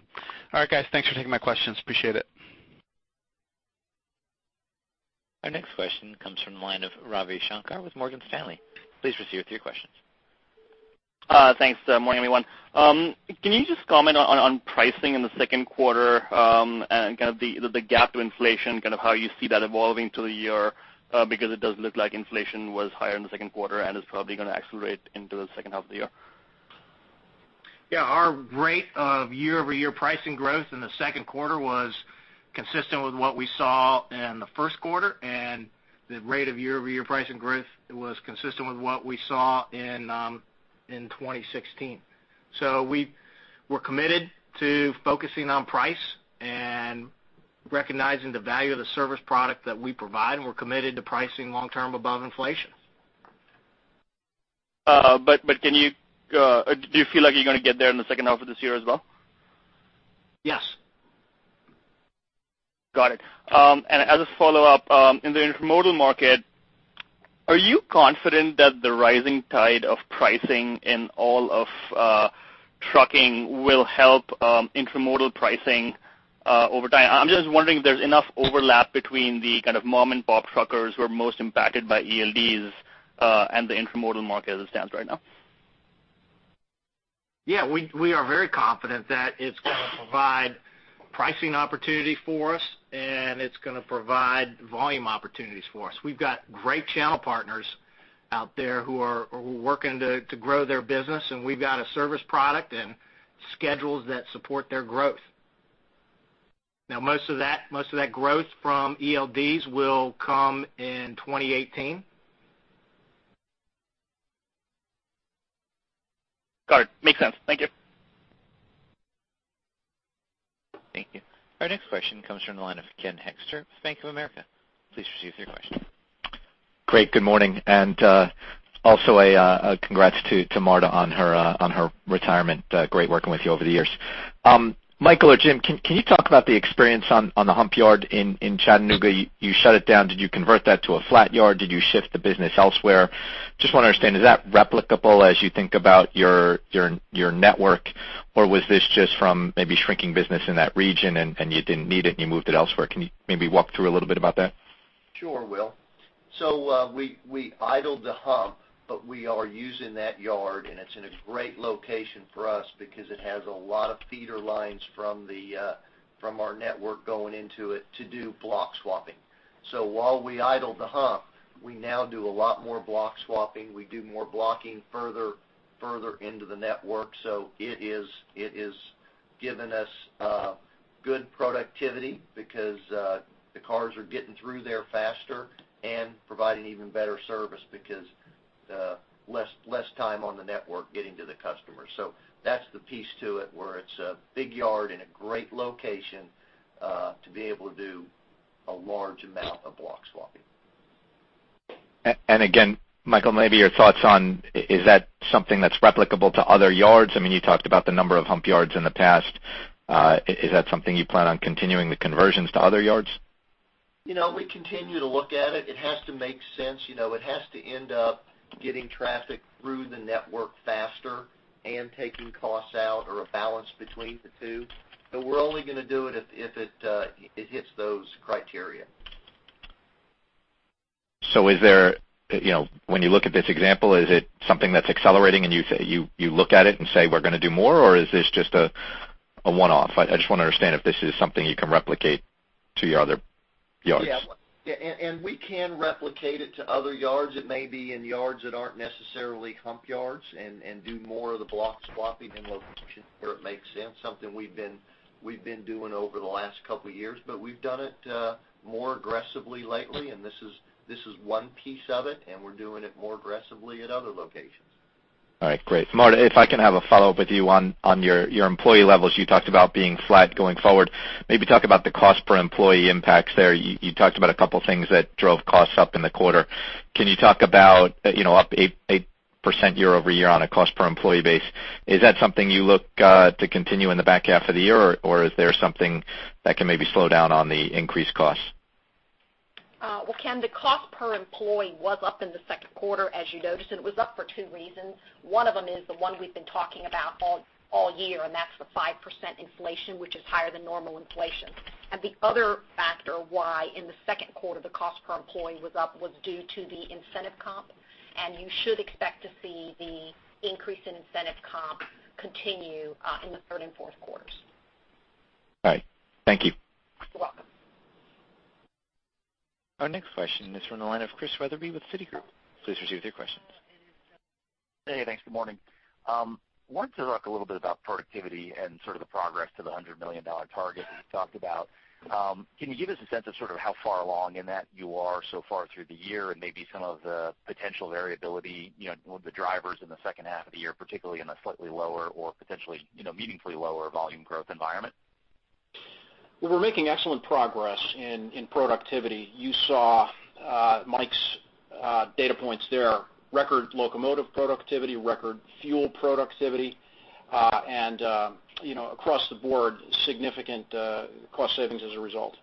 All right, guys. Thanks for taking my questions. Appreciate it. Our next question comes from the line of Ravi Shanker with Morgan Stanley. Please proceed with your questions. Thanks. Good morning, everyone. Can you just comment on pricing in the second quarter, and kind of the gap to inflation, kind of how you see that evolving through the year? It does look like inflation was higher in the second quarter and is probably going to accelerate into the second half of the year. Yeah, our rate of year-over-year pricing growth in the second quarter was consistent with what we saw in the first quarter. The rate of year-over-year pricing growth was consistent with what we saw in 2016. We're committed to focusing on price and recognizing the value of the service product that we provide. We're committed to pricing long term above inflation. Do you feel like you're going to get there in the second half of this year as well? Yes. Got it. As a follow-up, in the intermodal market, are you confident that the rising tide of pricing in all of trucking will help intermodal pricing over time? I'm just wondering if there's enough overlap between the kind of mom and pop truckers who are most impacted by ELDs, and the intermodal market as it stands right now. Yeah, we are very confident that it's going to provide pricing opportunity for us, and it's going to provide volume opportunities for us. We've got great channel partners out there who are working to grow their business, and we've got a service product and schedules that support their growth. Now, most of that growth from ELDs will come in 2018. Got it. Makes sense. Thank you. Thank you. Our next question comes from the line of Ken Hoexter, Bank of America. Please proceed with your question. Great. Good morning. Also, congrats to Marta on her retirement. Great working with you over the years. Michael or Jim, can you talk about the experience on the hump yard in Chattanooga? You shut it down. Did you convert that to a flat yard? Did you shift the business elsewhere? Just want to understand, is that replicable as you think about your network, or was this just from maybe shrinking business in that region and you didn't need it, and you moved it elsewhere? Can you maybe walk through a little bit about that? Sure, Ken. We idled the hump, but we are using that yard, and it's in a great location for us because it has a lot of feeder lines from our network going into it to do block swapping. While we idled the hump, we now do a lot more block swapping. We do more blocking further into the network. It is giving us good productivity because the cars are getting through there faster and providing even better service because less time on the network getting to the customer. That's the piece to it, where it's a big yard and a great location to be able to do a large amount of block swapping. Again, Michael, maybe your thoughts on, is that something that's replicable to other yards? You talked about the number of hump yards in the past. Is that something you plan on continuing the conversions to other yards? We continue to look at it. It has to make sense. It has to end up getting traffic through the network faster and taking costs out or a balance between the two. We're only going to do it if it hits those criteria. When you look at this example, is it something that's accelerating and you look at it and say, "We're going to do more," or is this just a one-off? I just want to understand if this is something you can replicate to your other yards. Yeah. We can replicate it to other yards. It may be in yards that aren't necessarily hump yards and do more of the block swapping in locations where it makes sense, something we've been doing over the last couple of years. We've done it more aggressively lately, and this is one piece of it, and we're doing it more aggressively at other locations. All right, great. Marta, if I can have a follow-up with you on your employee levels. You talked about being flat going forward. Maybe talk about the cost per employee impacts there. You talked about a couple things that drove costs up in the quarter. Can you talk about up 8% year-over-year on a cost per employee base? Is that something you look to continue in the back half of the year, or is there something that can maybe slow down on the increased costs? Well, Ken, the cost per employee was up in the second quarter, as you noticed, and it was up for two reasons. One of them is the one we've been talking about all year, that's the 5% inflation, which is higher than normal inflation. The other factor why in the second quarter the cost per employee was up was due to the incentive comp, and you should expect to see the increase in incentive comp continue in the third and fourth quarters. All right. Thank you. You're welcome. Our next question is from the line of Christian Wetherbee with Citigroup. Please proceed with your questions. Hey, thanks. Good morning. Wanted to talk a little bit about productivity and sort of the progress to the $100 million target that you talked about. Can you give us a sense of sort of how far along in that you are so far through the year and maybe some of the potential variability, the drivers in the second half of the year, particularly in a slightly lower or potentially meaningfully lower volume growth environment? We're making excellent progress in productivity. You saw Mike's data points there, record locomotive productivity, record fuel productivity, and across the board, significant cost savings as a result.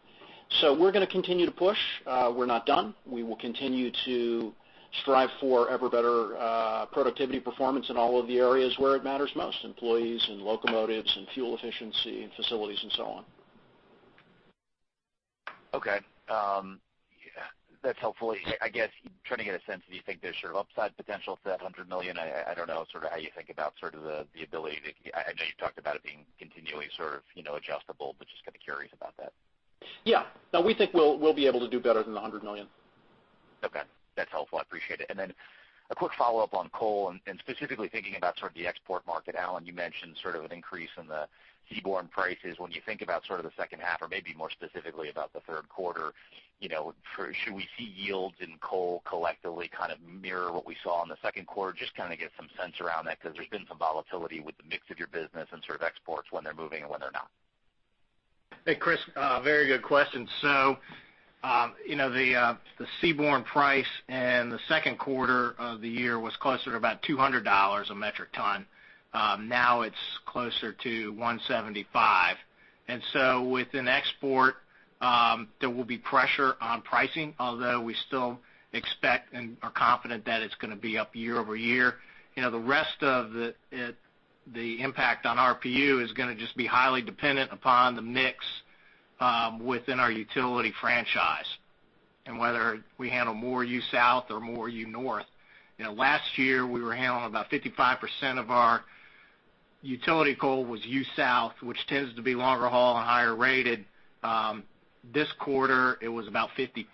We're going to continue to push. We're not done. We will continue to strive for ever better productivity performance in all of the areas where it matters most, employees and locomotives and fuel efficiency and facilities and so on. Okay. That's helpful. I guess trying to get a sense, do you think there's sort of upside potential to that $100 million? I don't know how you think about the ability. I know you talked about it being continually sort of adjustable, just kind of curious about that. Yeah. No, we think we'll be able to do better than the $100 million. Okay. That's helpful. I appreciate it. Then a quick follow-up on coal and specifically thinking about sort of the export market. Alan, you mentioned sort of an increase in the seaborne prices. When you think about sort of the second half or maybe more specifically about the third quarter, should we see yields in coal collectively kind of mirror what we saw in the second quarter? Just kind of get some sense around that because there's been some volatility with the mix of your business and sort of exports when they're moving and when they're not. Hey, Chris, very good question. The seaborne price in the second quarter of the year was closer to about $200 a metric ton. Now it's closer to $175, so within export, there will be pressure on pricing, although we still expect and are confident that it's going to be up year-over-year. The rest of the impact on RPU is going to just be highly dependent upon the mix within our utility franchise. Whether we handle more U South or more U North. Last year we were handling about 55% of our utility coal was U South, which tends to be longer haul and higher rated. This quarter it was about 50/50,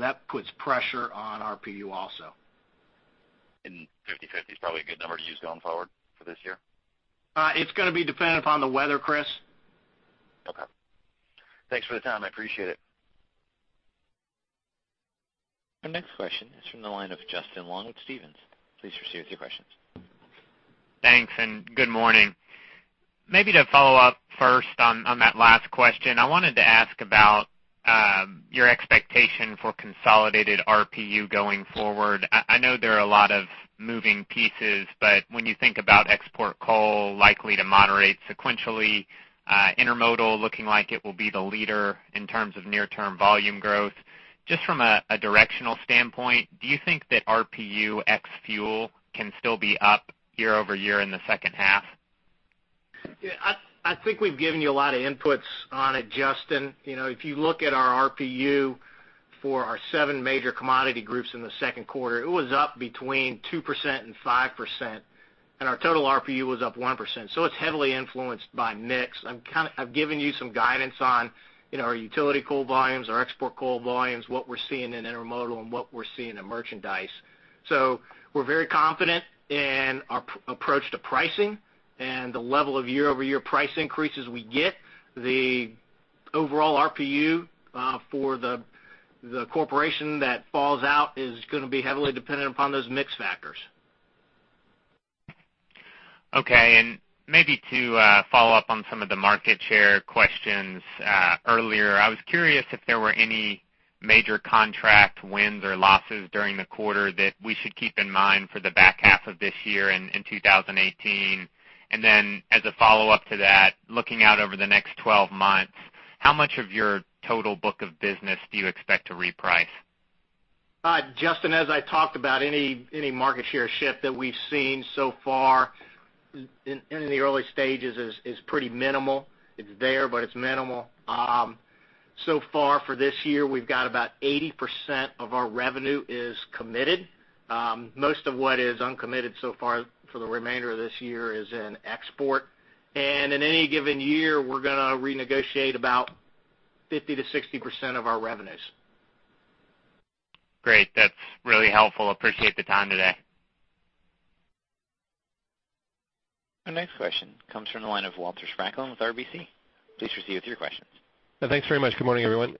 that puts pressure on our RPU also. 50/50 is probably a good number to use going forward for this year? It's going to be dependent upon the weather, Chris. Okay. Thanks for the time. I appreciate it. Our next question is from the line of Justin Long with Stephens. Please proceed with your questions. Thanks, and good morning. Maybe to follow up first on that last question, I wanted to ask about your expectation for consolidated RPU going forward. I know there are a lot of moving pieces, but when you think about export coal likely to moderate sequentially, intermodal looking like it will be the leader in terms of near term volume growth. Just from a directional standpoint, do you think that RPU ex fuel can still be up year-over-year in the second half? Yeah, I think we've given you a lot of inputs on it, Justin. If you look at our RPU for our seven major commodity groups in the second quarter, it was up between 2%-5%, and our total RPU was up 1%. It's heavily influenced by mix. I've given you some guidance on our utility coal volumes, our export coal volumes, what we're seeing in intermodal and what we're seeing in merchandise. We're very confident in our approach to pricing and the level of year-over-year price increases we get. The overall RPU for the corporation that falls out is going to be heavily dependent upon those mix factors. Okay. Maybe to follow up on some of the market share questions earlier, I was curious if there were any major contract wins or losses during the quarter that we should keep in mind for the back half of this year and in 2018. As a follow-up to that, looking out over the next 12 months, how much of your total book of business do you expect to reprice? Justin, as I talked about, any market share shift that we've seen so far in the early stages is pretty minimal. It's there, but it's minimal. So far for this year, we've got about 80% of our revenue is committed. Most of what is uncommitted so far for the remainder of this year is in export. In any given year, we're going to renegotiate about 50%-60% of our revenues. Great. That's really helpful. Appreciate the time today. Our next question comes from the line of Walter Spracklen with RBC. Please proceed with your questions. Thanks very much. Good morning, everyone.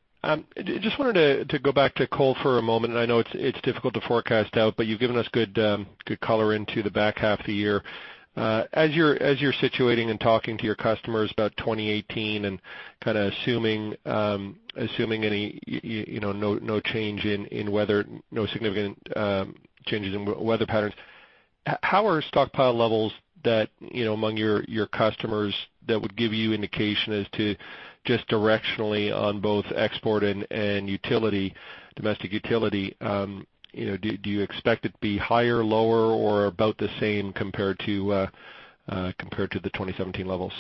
Just wanted to go back to coal for a moment. I know it's difficult to forecast out, you've given us good color into the back half of the year. As you're situating and talking to your customers about 2018 and kind of assuming no significant changes in weather patterns. How are stockpile levels among your customers that would give you indication as to just directionally on both export and domestic utility? Do you expect it to be higher, lower, or about the same compared to the 2017 levels?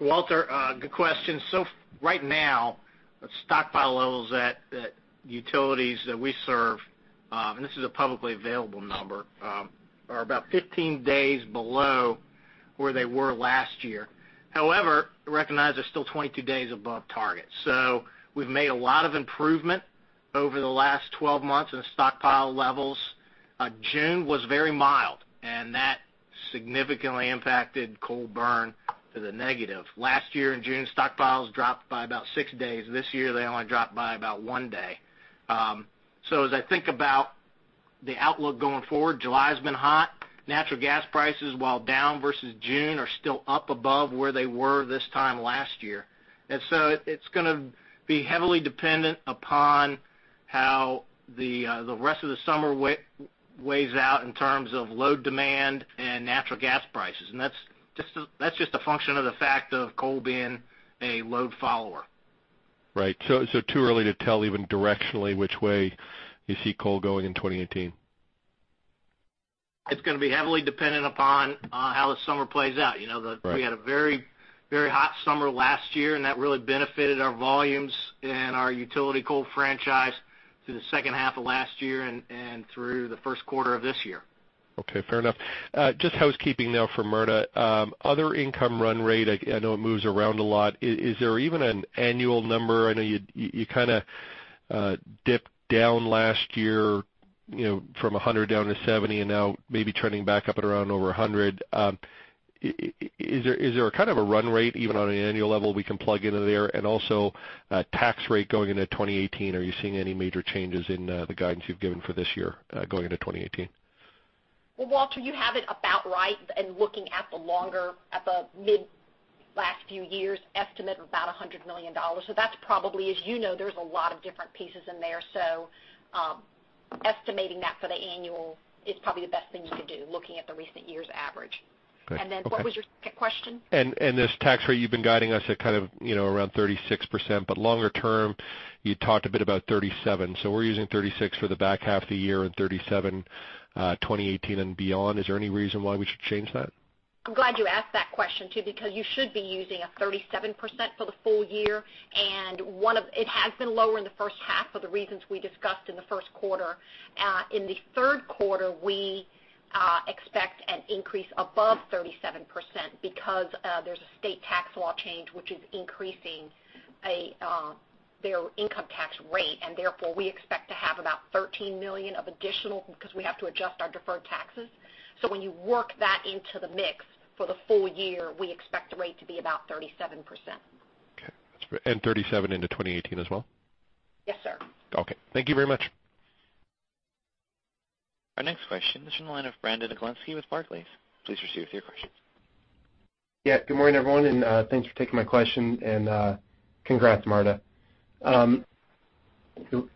Walter, good question. Right now, the stockpile levels at utilities that we serve, and this is a publicly available number, are about 15 days below where they were last year. However, recognize they're still 22 days above target. We've made a lot of improvement over the last 12 months in the stockpile levels. June was very mild, that significantly impacted coal burn to the negative. Last year in June, stockpiles dropped by about six days. This year, they only dropped by about one day. As I think about the outlook going forward, July has been hot. Natural gas prices, while down versus June, are still up above where they were this time last year. It's going to be heavily dependent upon how the rest of the summer weighs out in terms of load demand and natural gas prices. That's just a function of the fact of coal being a load follower. Right. Too early to tell even directionally which way you see coal going in 2018? It's going to be heavily dependent upon how the summer plays out. Right. We had a very hot summer last year, and that really benefited our volumes and our utility coal franchise through the second half of last year and through the first quarter of this year. Okay. Fair enough. Just housekeeping now for Marta. Other income run rate, I know it moves around a lot. Is there even an annual number? I know you kind of dipped down last year from $100 down to $70 and now maybe trending back up at around over $100. Is there a kind of a run rate even on an annual level we can plug into there? Also tax rate going into 2018, are you seeing any major changes in the guidance you've given for this year going into 2018? Well, Walter, you have it about right. Looking at the mid last few years estimate of about $100 million. That's probably, as you know, there's a lot of different pieces in there. Estimating that for the annual is probably the best thing you could do looking at the recent year's average. Okay. What was your second question? This tax rate you've been guiding us at kind of around 36%, longer term, you talked a bit about 37%. We're using 36% for the back half of the year and 37% for 2018 and beyond. Is there any reason why we should change that? I'm glad you asked that question too, because you should be using a 37% for the full year. It has been lower in the first half for the reasons we discussed in the first quarter. In the third quarter, we expect an increase above 37% because there's a state tax law change, which is increasing their income tax rate. Therefore, we expect to have about $13 million of additional because we have to adjust our deferred taxes. When you work that into the mix for the full year, we expect the rate to be about 37%. Okay. 37 into 2018 as well? Yes, sir. Okay. Thank you very much. Our next question is from the line of Brandon Oglenski with Barclays. Please proceed with your question. Yeah. Good morning, everyone, and thanks for taking my question, and congrats, Marta.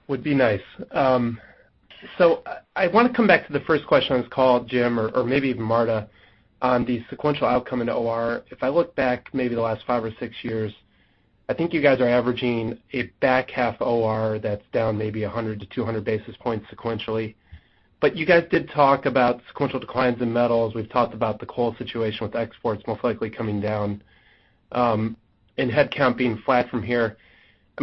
Would be nice. I want to come back to the first question on this call, Jim, or maybe even Marta, on the sequential outcome in OR. If I look back maybe the last five or six years, I think you guys are averaging a back half OR that's down maybe 100 to 200 basis points sequentially. You guys did talk about sequential declines in metals. We've talked about the coal situation with exports most likely coming down, and headcount being flat from here.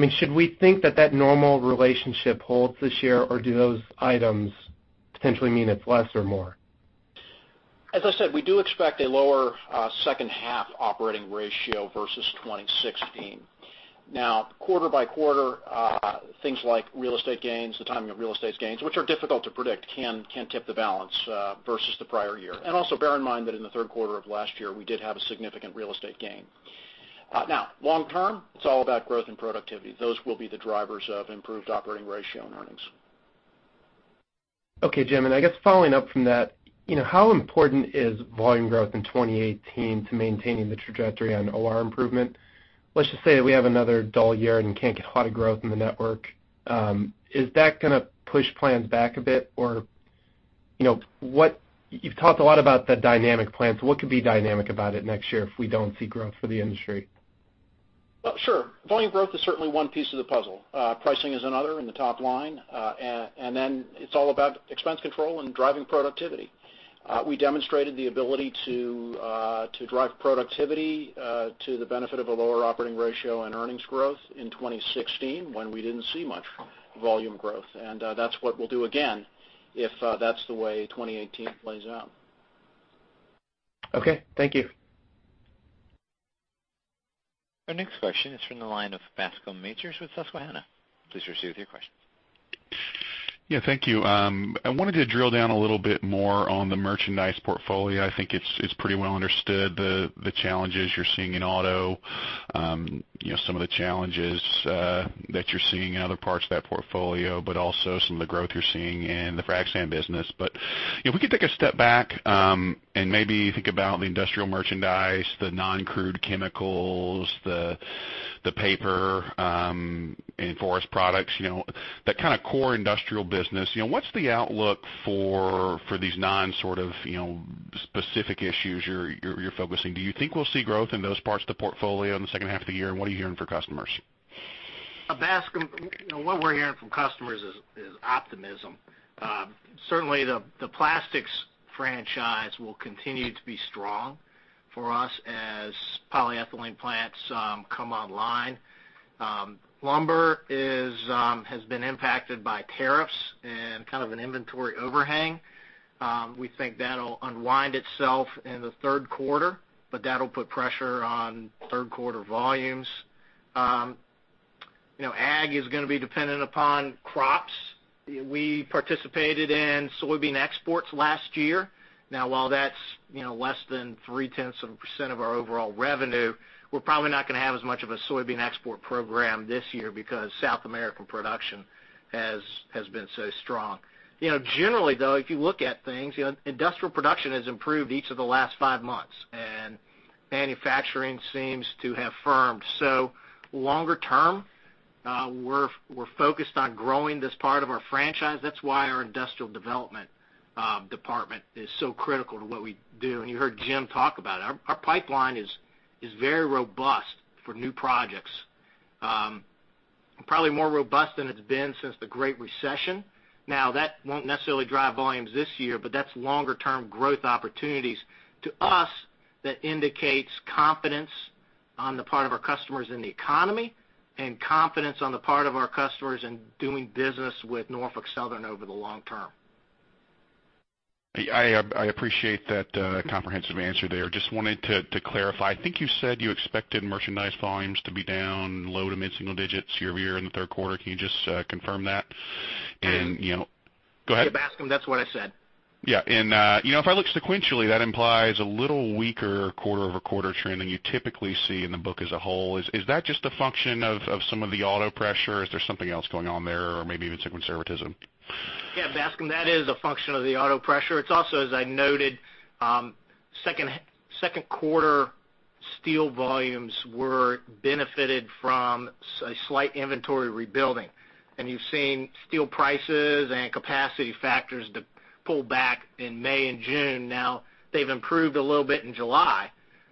Should we think that that normal relationship holds this year, or do those items potentially mean it's less or more? As I said, we do expect a lower second half operating ratio versus 2016. Quarter by quarter, things like real estate gains, the timing of real estate gains, which are difficult to predict, can tip the balance versus the prior year. Also bear in mind that in the third quarter of last year, we did have a significant real estate gain. Long term, it's all about growth and productivity. Those will be the drivers of improved operating ratio and earnings. Okay, Jim, I guess following up from that, how important is volume growth in 2018 to maintaining the trajectory on OR improvement? Let's just say that we have another dull year and can't get a lot of growth in the network. Is that going to push plans back a bit, you've talked a lot about the dynamic plan, what could be dynamic about it next year if we don't see growth for the industry? Sure. Volume growth is certainly one piece of the puzzle. Pricing is another in the top line. It's all about expense control and driving productivity. We demonstrated the ability to drive productivity to the benefit of a lower operating ratio and earnings growth in 2016 when we didn't see much volume growth. That's what we'll do again if that's the way 2018 plays out. Okay. Thank you. Our next question is from the line of Bascome Majors with Susquehanna. Please proceed with your question. Yeah, thank you. I wanted to drill down a little bit more on the merchandise portfolio. I think it's pretty well understood the challenges you're seeing in auto, some of the challenges that you're seeing in other parts of that portfolio, but also some of the growth you're seeing in the frac sand business. If we could take a step back and maybe think about the industrial merchandise, the non-crude chemicals, the paper and forest products, that kind of core industrial business, what's the outlook for these non sort of specific issues you're focusing? Do you think we'll see growth in those parts of the portfolio in the second half of the year, and what are you hearing from customers? Bascome, what we're hearing from customers is optimism. Certainly, the plastics franchise will continue to be strong for us as polyethylene plants come online. Lumber has been impacted by tariffs and kind of an inventory overhang. We think that'll unwind itself in the third quarter, but that'll put pressure on third quarter volumes. Ag is going to be dependent upon crops. We participated in soybean exports last year. Now, while that's less than 3/10 of a % of our overall revenue, we're probably not going to have as much of a soybean export program this year because South American production has been so strong. Generally, though, if you look at things, industrial production has improved each of the last five months, and manufacturing seems to have firmed. Longer term, we're focused on growing this part of our franchise. That's why our industrial development department is so critical to what we do, and you heard Jim talk about it. Our pipeline is very robust for new projects. Probably more robust than it's been since the Great Recession. That won't necessarily drive volumes this year, but that's longer-term growth opportunities to us that indicates confidence on the part of our customers in the economy and confidence on the part of our customers in doing business with Norfolk Southern over the long term. I appreciate that comprehensive answer there. Just wanted to clarify. I think you said you expected merchandise volumes to be down low to mid-single digits year-over-year in the third quarter. Can you just confirm that? Go ahead. Bascome, that's what I said. If I look sequentially, that implies a little weaker quarter-over-quarter trend than you typically see in the book as a whole. Is that just a function of some of the auto pressure? Is there something else going on there or maybe even conservatism? Yeah, Bascome, that is a function of the auto pressure. It's also, as I noted, second quarter steel volumes were benefited from a slight inventory rebuilding. You've seen steel prices and capacity factors pull back in May and June. Now they've improved a little bit in July,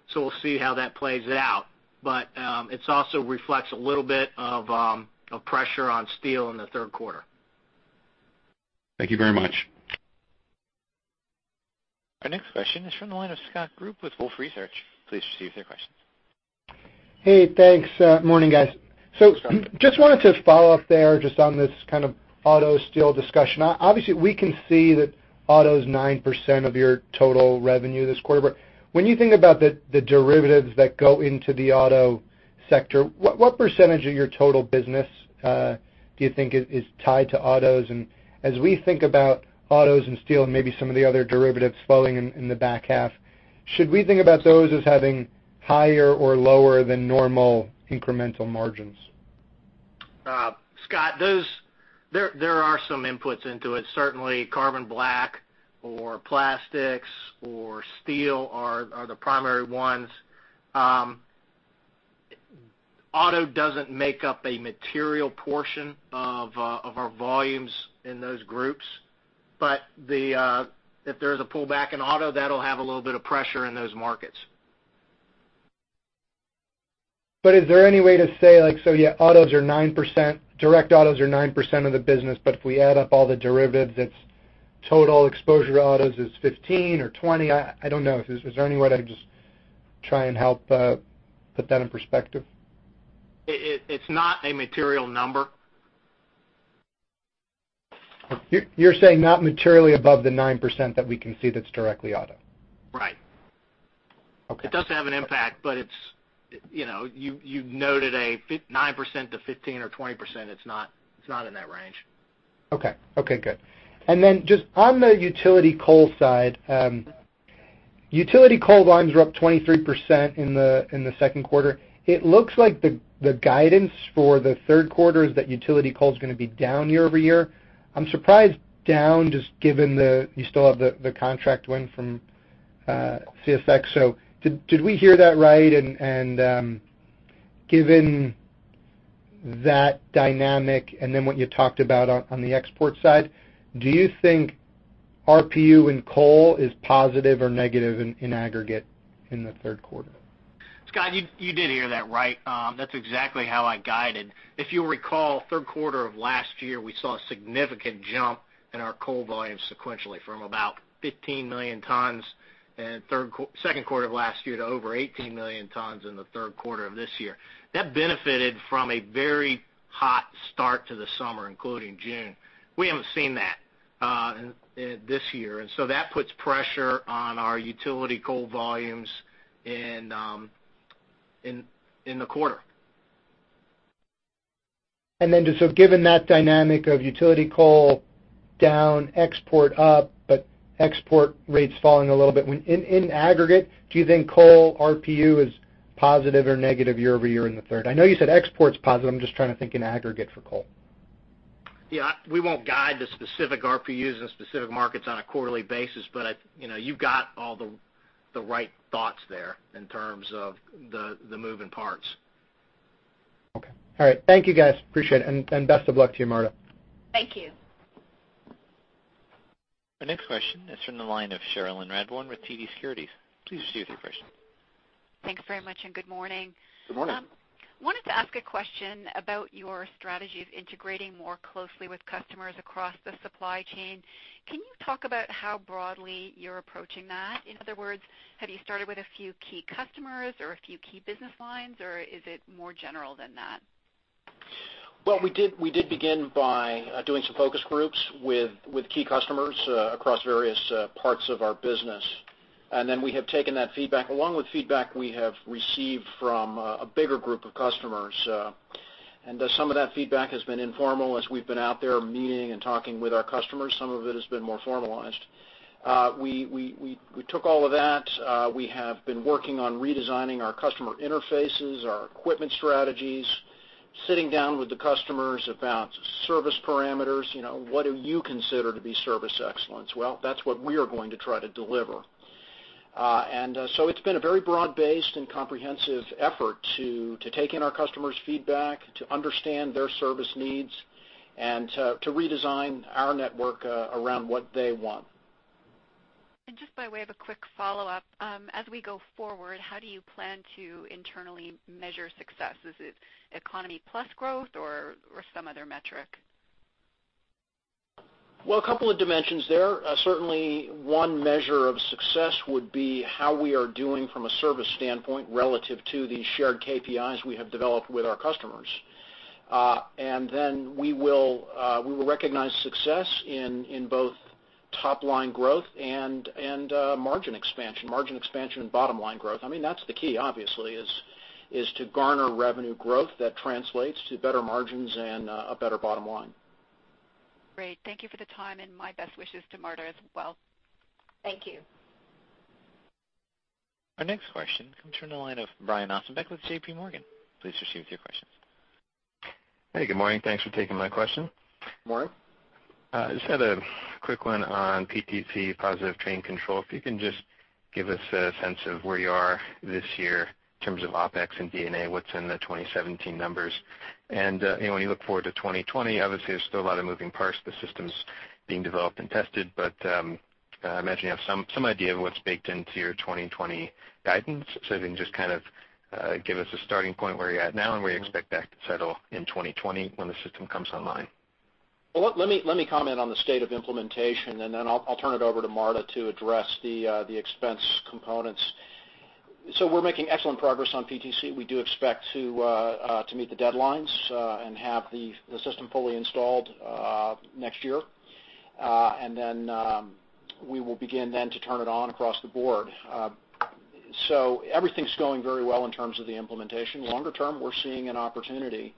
so we'll see how that plays out. It also reflects a little bit of pressure on steel in the third quarter. Thank you very much. Our next question is from the line of Scott Group with Wolfe Research. Please proceed with your questions. Hey, thanks. Morning, guys. Just wanted to follow up there just on this kind of auto steel discussion. Obviously, we can see that auto is 9% of your total revenue this quarter. When you think about the derivatives that go into the auto sector, what percentage of your total business do you think is tied to autos? As we think about autos and steel and maybe some of the other derivatives falling in the back half, should we think about those as having higher or lower than normal incremental margins? Scott, there are some inputs into it. Certainly, carbon black or plastics or steel are the primary ones. Auto doesn't make up a material portion of our volumes in those groups. If there is a pullback in auto, that'll have a little bit of pressure in those markets. Is there any way to say, like, so yeah, direct autos are 9% of the business, but if we add up all the derivatives, its total exposure to autos is 15 or 20? I don't know. Is there any way to just try and help put that in perspective? It's not a material number. You're saying not materially above the 9% that we can see that's directly auto. Right. Okay. It does have an impact, you noted a 9% to 15% or 20%. It's not in that range. Okay. Good. Just on the utility coal side, utility coal volumes are up 23% in the second quarter. It looks like the guidance for the third quarter is that utility coal is going to be down year-over-year. I'm surprised down just given you still have the contract win from CSX. Did we hear that right? Given that dynamic and then what you talked about on the export side, do you think RPU in coal is positive or negative in aggregate in the third quarter? Scott, you did hear that right. That's exactly how I guided. If you'll recall, third quarter of last year, we saw a significant jump in our coal volumes sequentially from about 15 million tons in second quarter of last year to over 18 million tons in the third quarter of this year. That benefited from a very hot start to the summer, including June. We haven't seen that this year, that puts pressure on our utility coal volumes in the quarter. Given that dynamic of utility coal down, export up, but export rates falling a little bit, in aggregate, do you think coal RPU is positive or negative year-over-year in the third? I know you said export's positive, I'm just trying to think in aggregate for coal. Yeah, we won't guide the specific RPUs in specific markets on a quarterly basis, but you've got all the right thoughts there in terms of the moving parts. Okay. All right. Thank you, guys. Appreciate it, and best of luck to you, Marta. Thank you. Our next question is from the line of Cherilyn Radbourne with TD Securities. Please proceed with your question. Thanks very much, good morning. Good morning. Wanted to ask a question about your strategy of integrating more closely with customers across the supply chain. Can you talk about how broadly you're approaching that? In other words, have you started with a few key customers or a few key business lines, or is it more general than that? Well, we did begin by doing some focus groups with key customers across various parts of our business. Then we have taken that feedback along with feedback we have received from a bigger group of customers. Some of that feedback has been informal as we've been out there meeting and talking with our customers. Some of it has been more formalized. We took all of that. We have been working on redesigning our customer interfaces, our equipment strategies, sitting down with the customers about service parameters. What do you consider to be service excellence? Well, that's what we are going to try to deliver. So it's been a very broad-based and comprehensive effort to take in our customers' feedback, to understand their service needs, and to redesign our network around what they want. Just by way of a quick follow-up, as we go forward, how do you plan to internally measure success? Is it economy plus growth or some other metric? Well, a couple of dimensions there. Certainly, one measure of success would be how we are doing from a service standpoint relative to the shared KPIs we have developed with our customers. Then we will recognize success in both top-line growth and margin expansion. Margin expansion and bottom-line growth. I mean, that's the key, obviously, is to garner revenue growth that translates to better margins and a better bottom line. Great. Thank you for the time, and my best wishes to Marta as well. Thank you. Our next question comes from the line of Brian Ossenbeck with J.P. Morgan. Please proceed with your question. Hey, good morning. Thanks for taking my question. Good morning. Just had a quick one on PTC, Positive Train Control. If you can just give us a sense of where you are this year in terms of OpEx and D&A, what's in the 2017 numbers. When you look forward to 2020, obviously, there's still a lot of moving parts, the systems being developed and tested, but I imagine you have some idea of what's baked into your 2020 guidance. If you can just give us a starting point where you're at now, and where you expect that to settle in 2020 when the system comes online. Let me comment on the state of implementation, I'll turn it over to Marta to address the expense components. We're making excellent progress on PTC. We do expect to meet the deadlines, have the system fully installed next year. We will begin then to turn it on across the board. Everything's going very well in terms of the implementation. Longer term, we're seeing an opportunity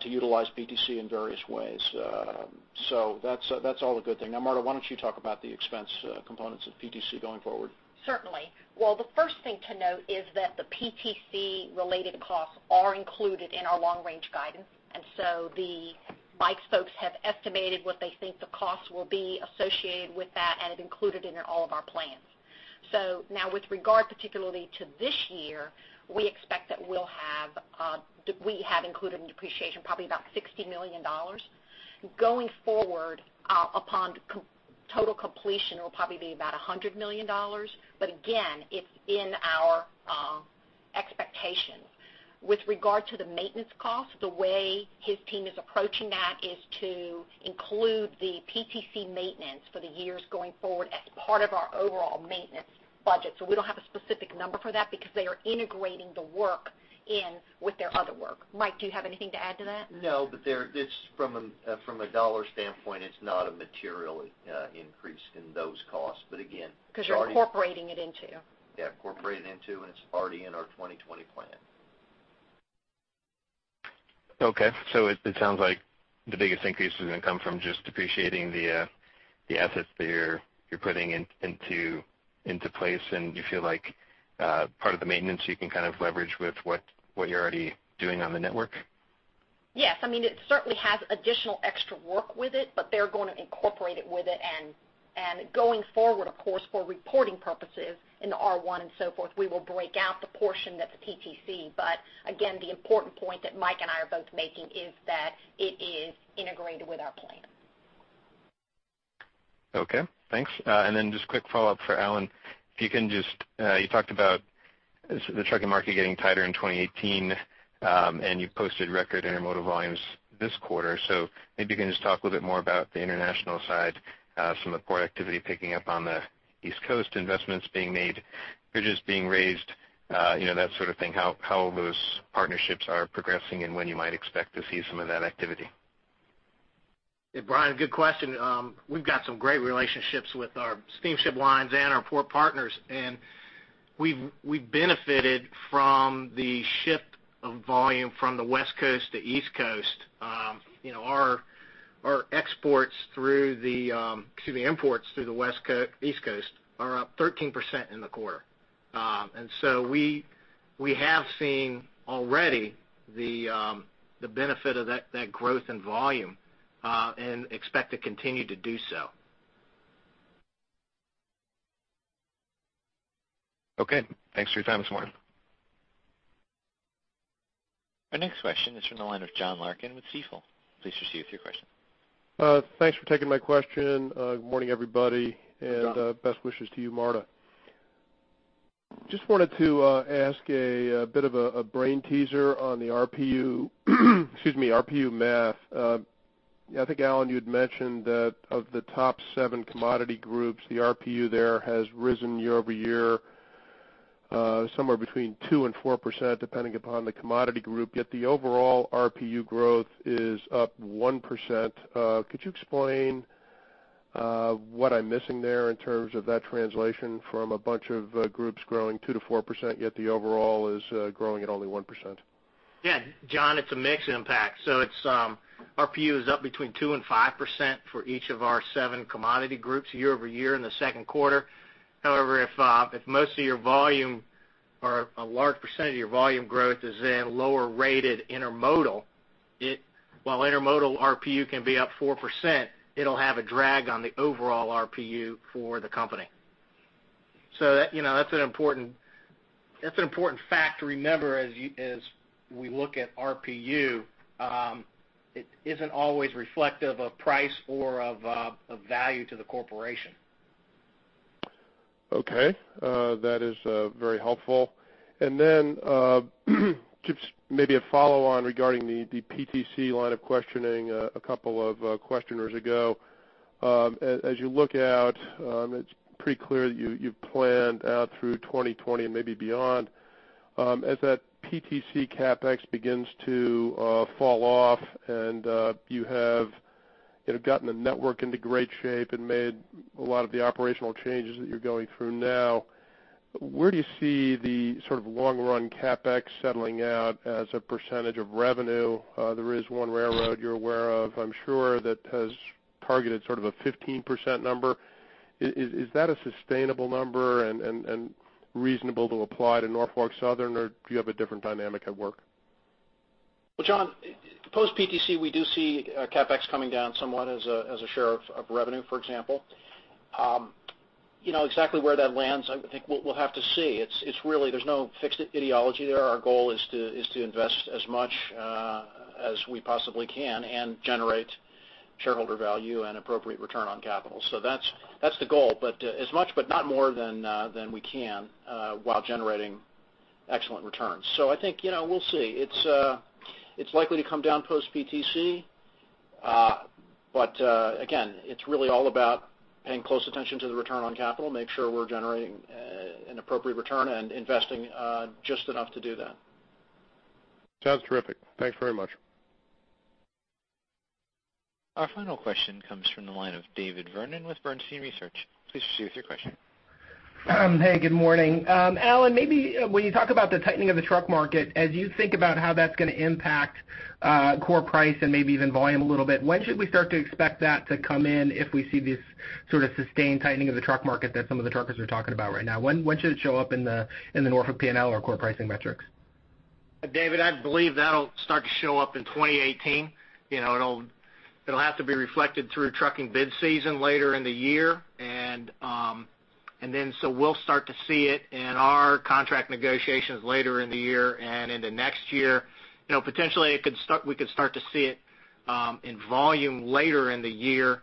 to utilize PTC in various ways. That's all a good thing. Now, Marta, why don't you talk about the expense components of PTC going forward? Certainly. The first thing to note is that the PTC related costs are included in our long range guidance, the Mike's folks have estimated what they think the costs will be associated with that, included it in all of our plans. With regard particularly to this year, we expect that we have included in depreciation probably about $60 million. Going forward, upon total completion, it will probably be about $100 million. Again, it's in our expectations. With regard to the maintenance cost, the way his team is approaching that is to include the PTC maintenance for the years going forward as part of our overall maintenance budget. We don't have a specific number for that because they are integrating the work in with their other work. Mike, do you have anything to add to that? No, from a dollar standpoint, it's not a material increase in those costs. Because you're incorporating it into. Yeah, incorporating it into, it's already in our 2020 plan. Okay, it sounds like the biggest increase is going to come from just depreciating the assets that you're putting into place, you feel like part of the maintenance you can leverage with what you're already doing on the network? Yes. It certainly has additional extra work with it, they're going to incorporate it with it. Going forward, of course, for reporting purposes in the R1 and so forth, we will break out the portion that's PTC. Again, the important point that Mike and I are both making is that it is integrated with our plan. Okay, thanks. Then just quick follow-up for Alan. You talked about the trucking market getting tighter in 2018, you posted record intermodal volumes this quarter. Maybe you can just talk a little bit more about the international side, some of the port activity picking up on the East Coast, investments being made, bridges being raised, that sort of thing, how those partnerships are progressing, and when you might expect to see some of that activity. Brian, good question. We've got some great relationships with our steamship lines and our port partners, and we've benefited from the shift of volume from the West Coast to East Coast. Our imports through the East Coast are up 13% in the quarter. So we have seen already the benefit of that growth in volume, and expect to continue to do so. Okay. Thanks for your time this morning. Our next question is from the line of John Larkin with Stifel. Please proceed with your question. Thanks for taking my question. Good morning, everybody. John. Best wishes to you, Marta. Just wanted to ask a bit of a brain teaser on the RPU math. I think, Alan, you had mentioned that of the top seven commodity groups, the RPU there has risen year-over-year, somewhere between 2% and 4%, depending upon the commodity group, yet the overall RPU growth is up 1%. Could you explain what I'm missing there in terms of that translation from a bunch of groups growing 2% to 4%, yet the overall is growing at only 1%? John, it's a mixed impact. RPU is up between 2% and 5% for each of our seven commodity groups year-over-year in the second quarter. However, if most of your volume or a large percentage of your volume growth is in lower rated intermodal, while intermodal RPU can be up 4%, it'll have a drag on the overall RPU for the company. That's an important fact to remember as we look at RPU. It isn't always reflective of price or of value to the corporation. That is very helpful. Then, just maybe a follow-on regarding the PTC line of questioning, a couple of questioners ago. As you look out, it's pretty clear that you've planned out through 2020 and maybe beyond. As that PTC CapEx begins to fall off and you have gotten the network into great shape and made a lot of the operational changes that you're going through now, where do you see the long run CapEx settling out as a percentage of revenue? There is one railroad you're aware of, I'm sure, that has targeted sort of a 15% number. Is that a sustainable number and reasonable to apply to Norfolk Southern, or do you have a different dynamic at work? John, post PTC, we do see CapEx coming down somewhat as a share of revenue, for example. Exactly where that lands, I think we'll have to see. There's no fixed ideology there. Our goal is to invest as much as we possibly can and generate shareholder value and appropriate return on capital. That's the goal. As much, but not more than we can, while generating Excellent returns. I think we'll see. It's likely to come down post PTC. Again, it's really all about paying close attention to the return on capital, make sure we're generating an appropriate return and investing just enough to do that. Sounds terrific. Thanks very much. Our final question comes from the line of David Vernon with Bernstein Research. Please proceed with your question. Hey, good morning. Alan, maybe when you talk about the tightening of the truck market, as you think about how that's going to impact core price and maybe even volume a little bit, when should we start to expect that to come in if we see this sort of sustained tightening of the truck market that some of the truckers are talking about right now? When should it show up in the Norfolk P&L or core pricing metrics? David, I believe that'll start to show up in 2018. It'll have to be reflected through trucking bid season later in the year. We'll start to see it in our contract negotiations later in the year and into next year. Potentially, we could start to see it in volume later in the year.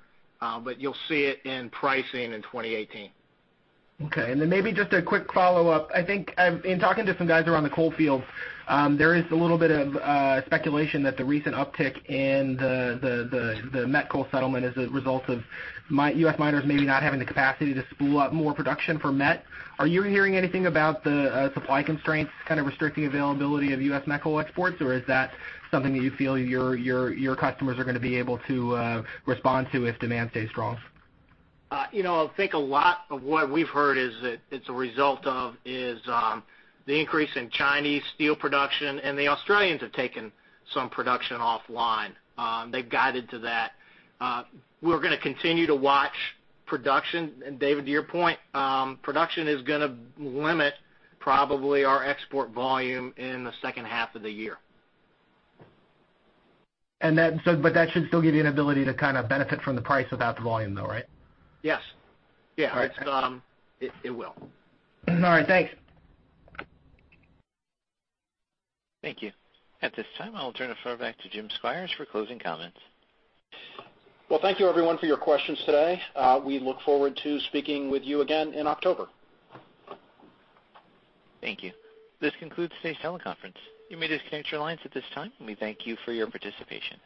You'll see it in pricing in 2018. Maybe just a quick follow-up. I think in talking to some guys around the coal field, there is a little bit of speculation that the recent uptick in the met coal settlement is a result of U.S. miners maybe not having the capacity to spool up more production for met. Are you hearing anything about the supply constraints kind of restricting availability of U.S. met coal exports, or is that something that you feel your customers are going to be able to respond to if demand stays strong? I think a lot of what we've heard is that it's a result of the increase in Chinese steel production, the Australians have taken some production offline. They've guided to that. We're going to continue to watch production. David, to your point, production is going to limit probably our export volume in the second half of the year. That should still give you an ability to kind of benefit from the price without the volume, though, right? Yes. All right. It will. All right. Thanks. Thank you. At this time, I'll turn the floor back to Jim Squires for closing comments. Well, thank you everyone for your questions today. We look forward to speaking with you again in October. Thank you. This concludes today's teleconference. You may disconnect your lines at this time, and we thank you for your participation.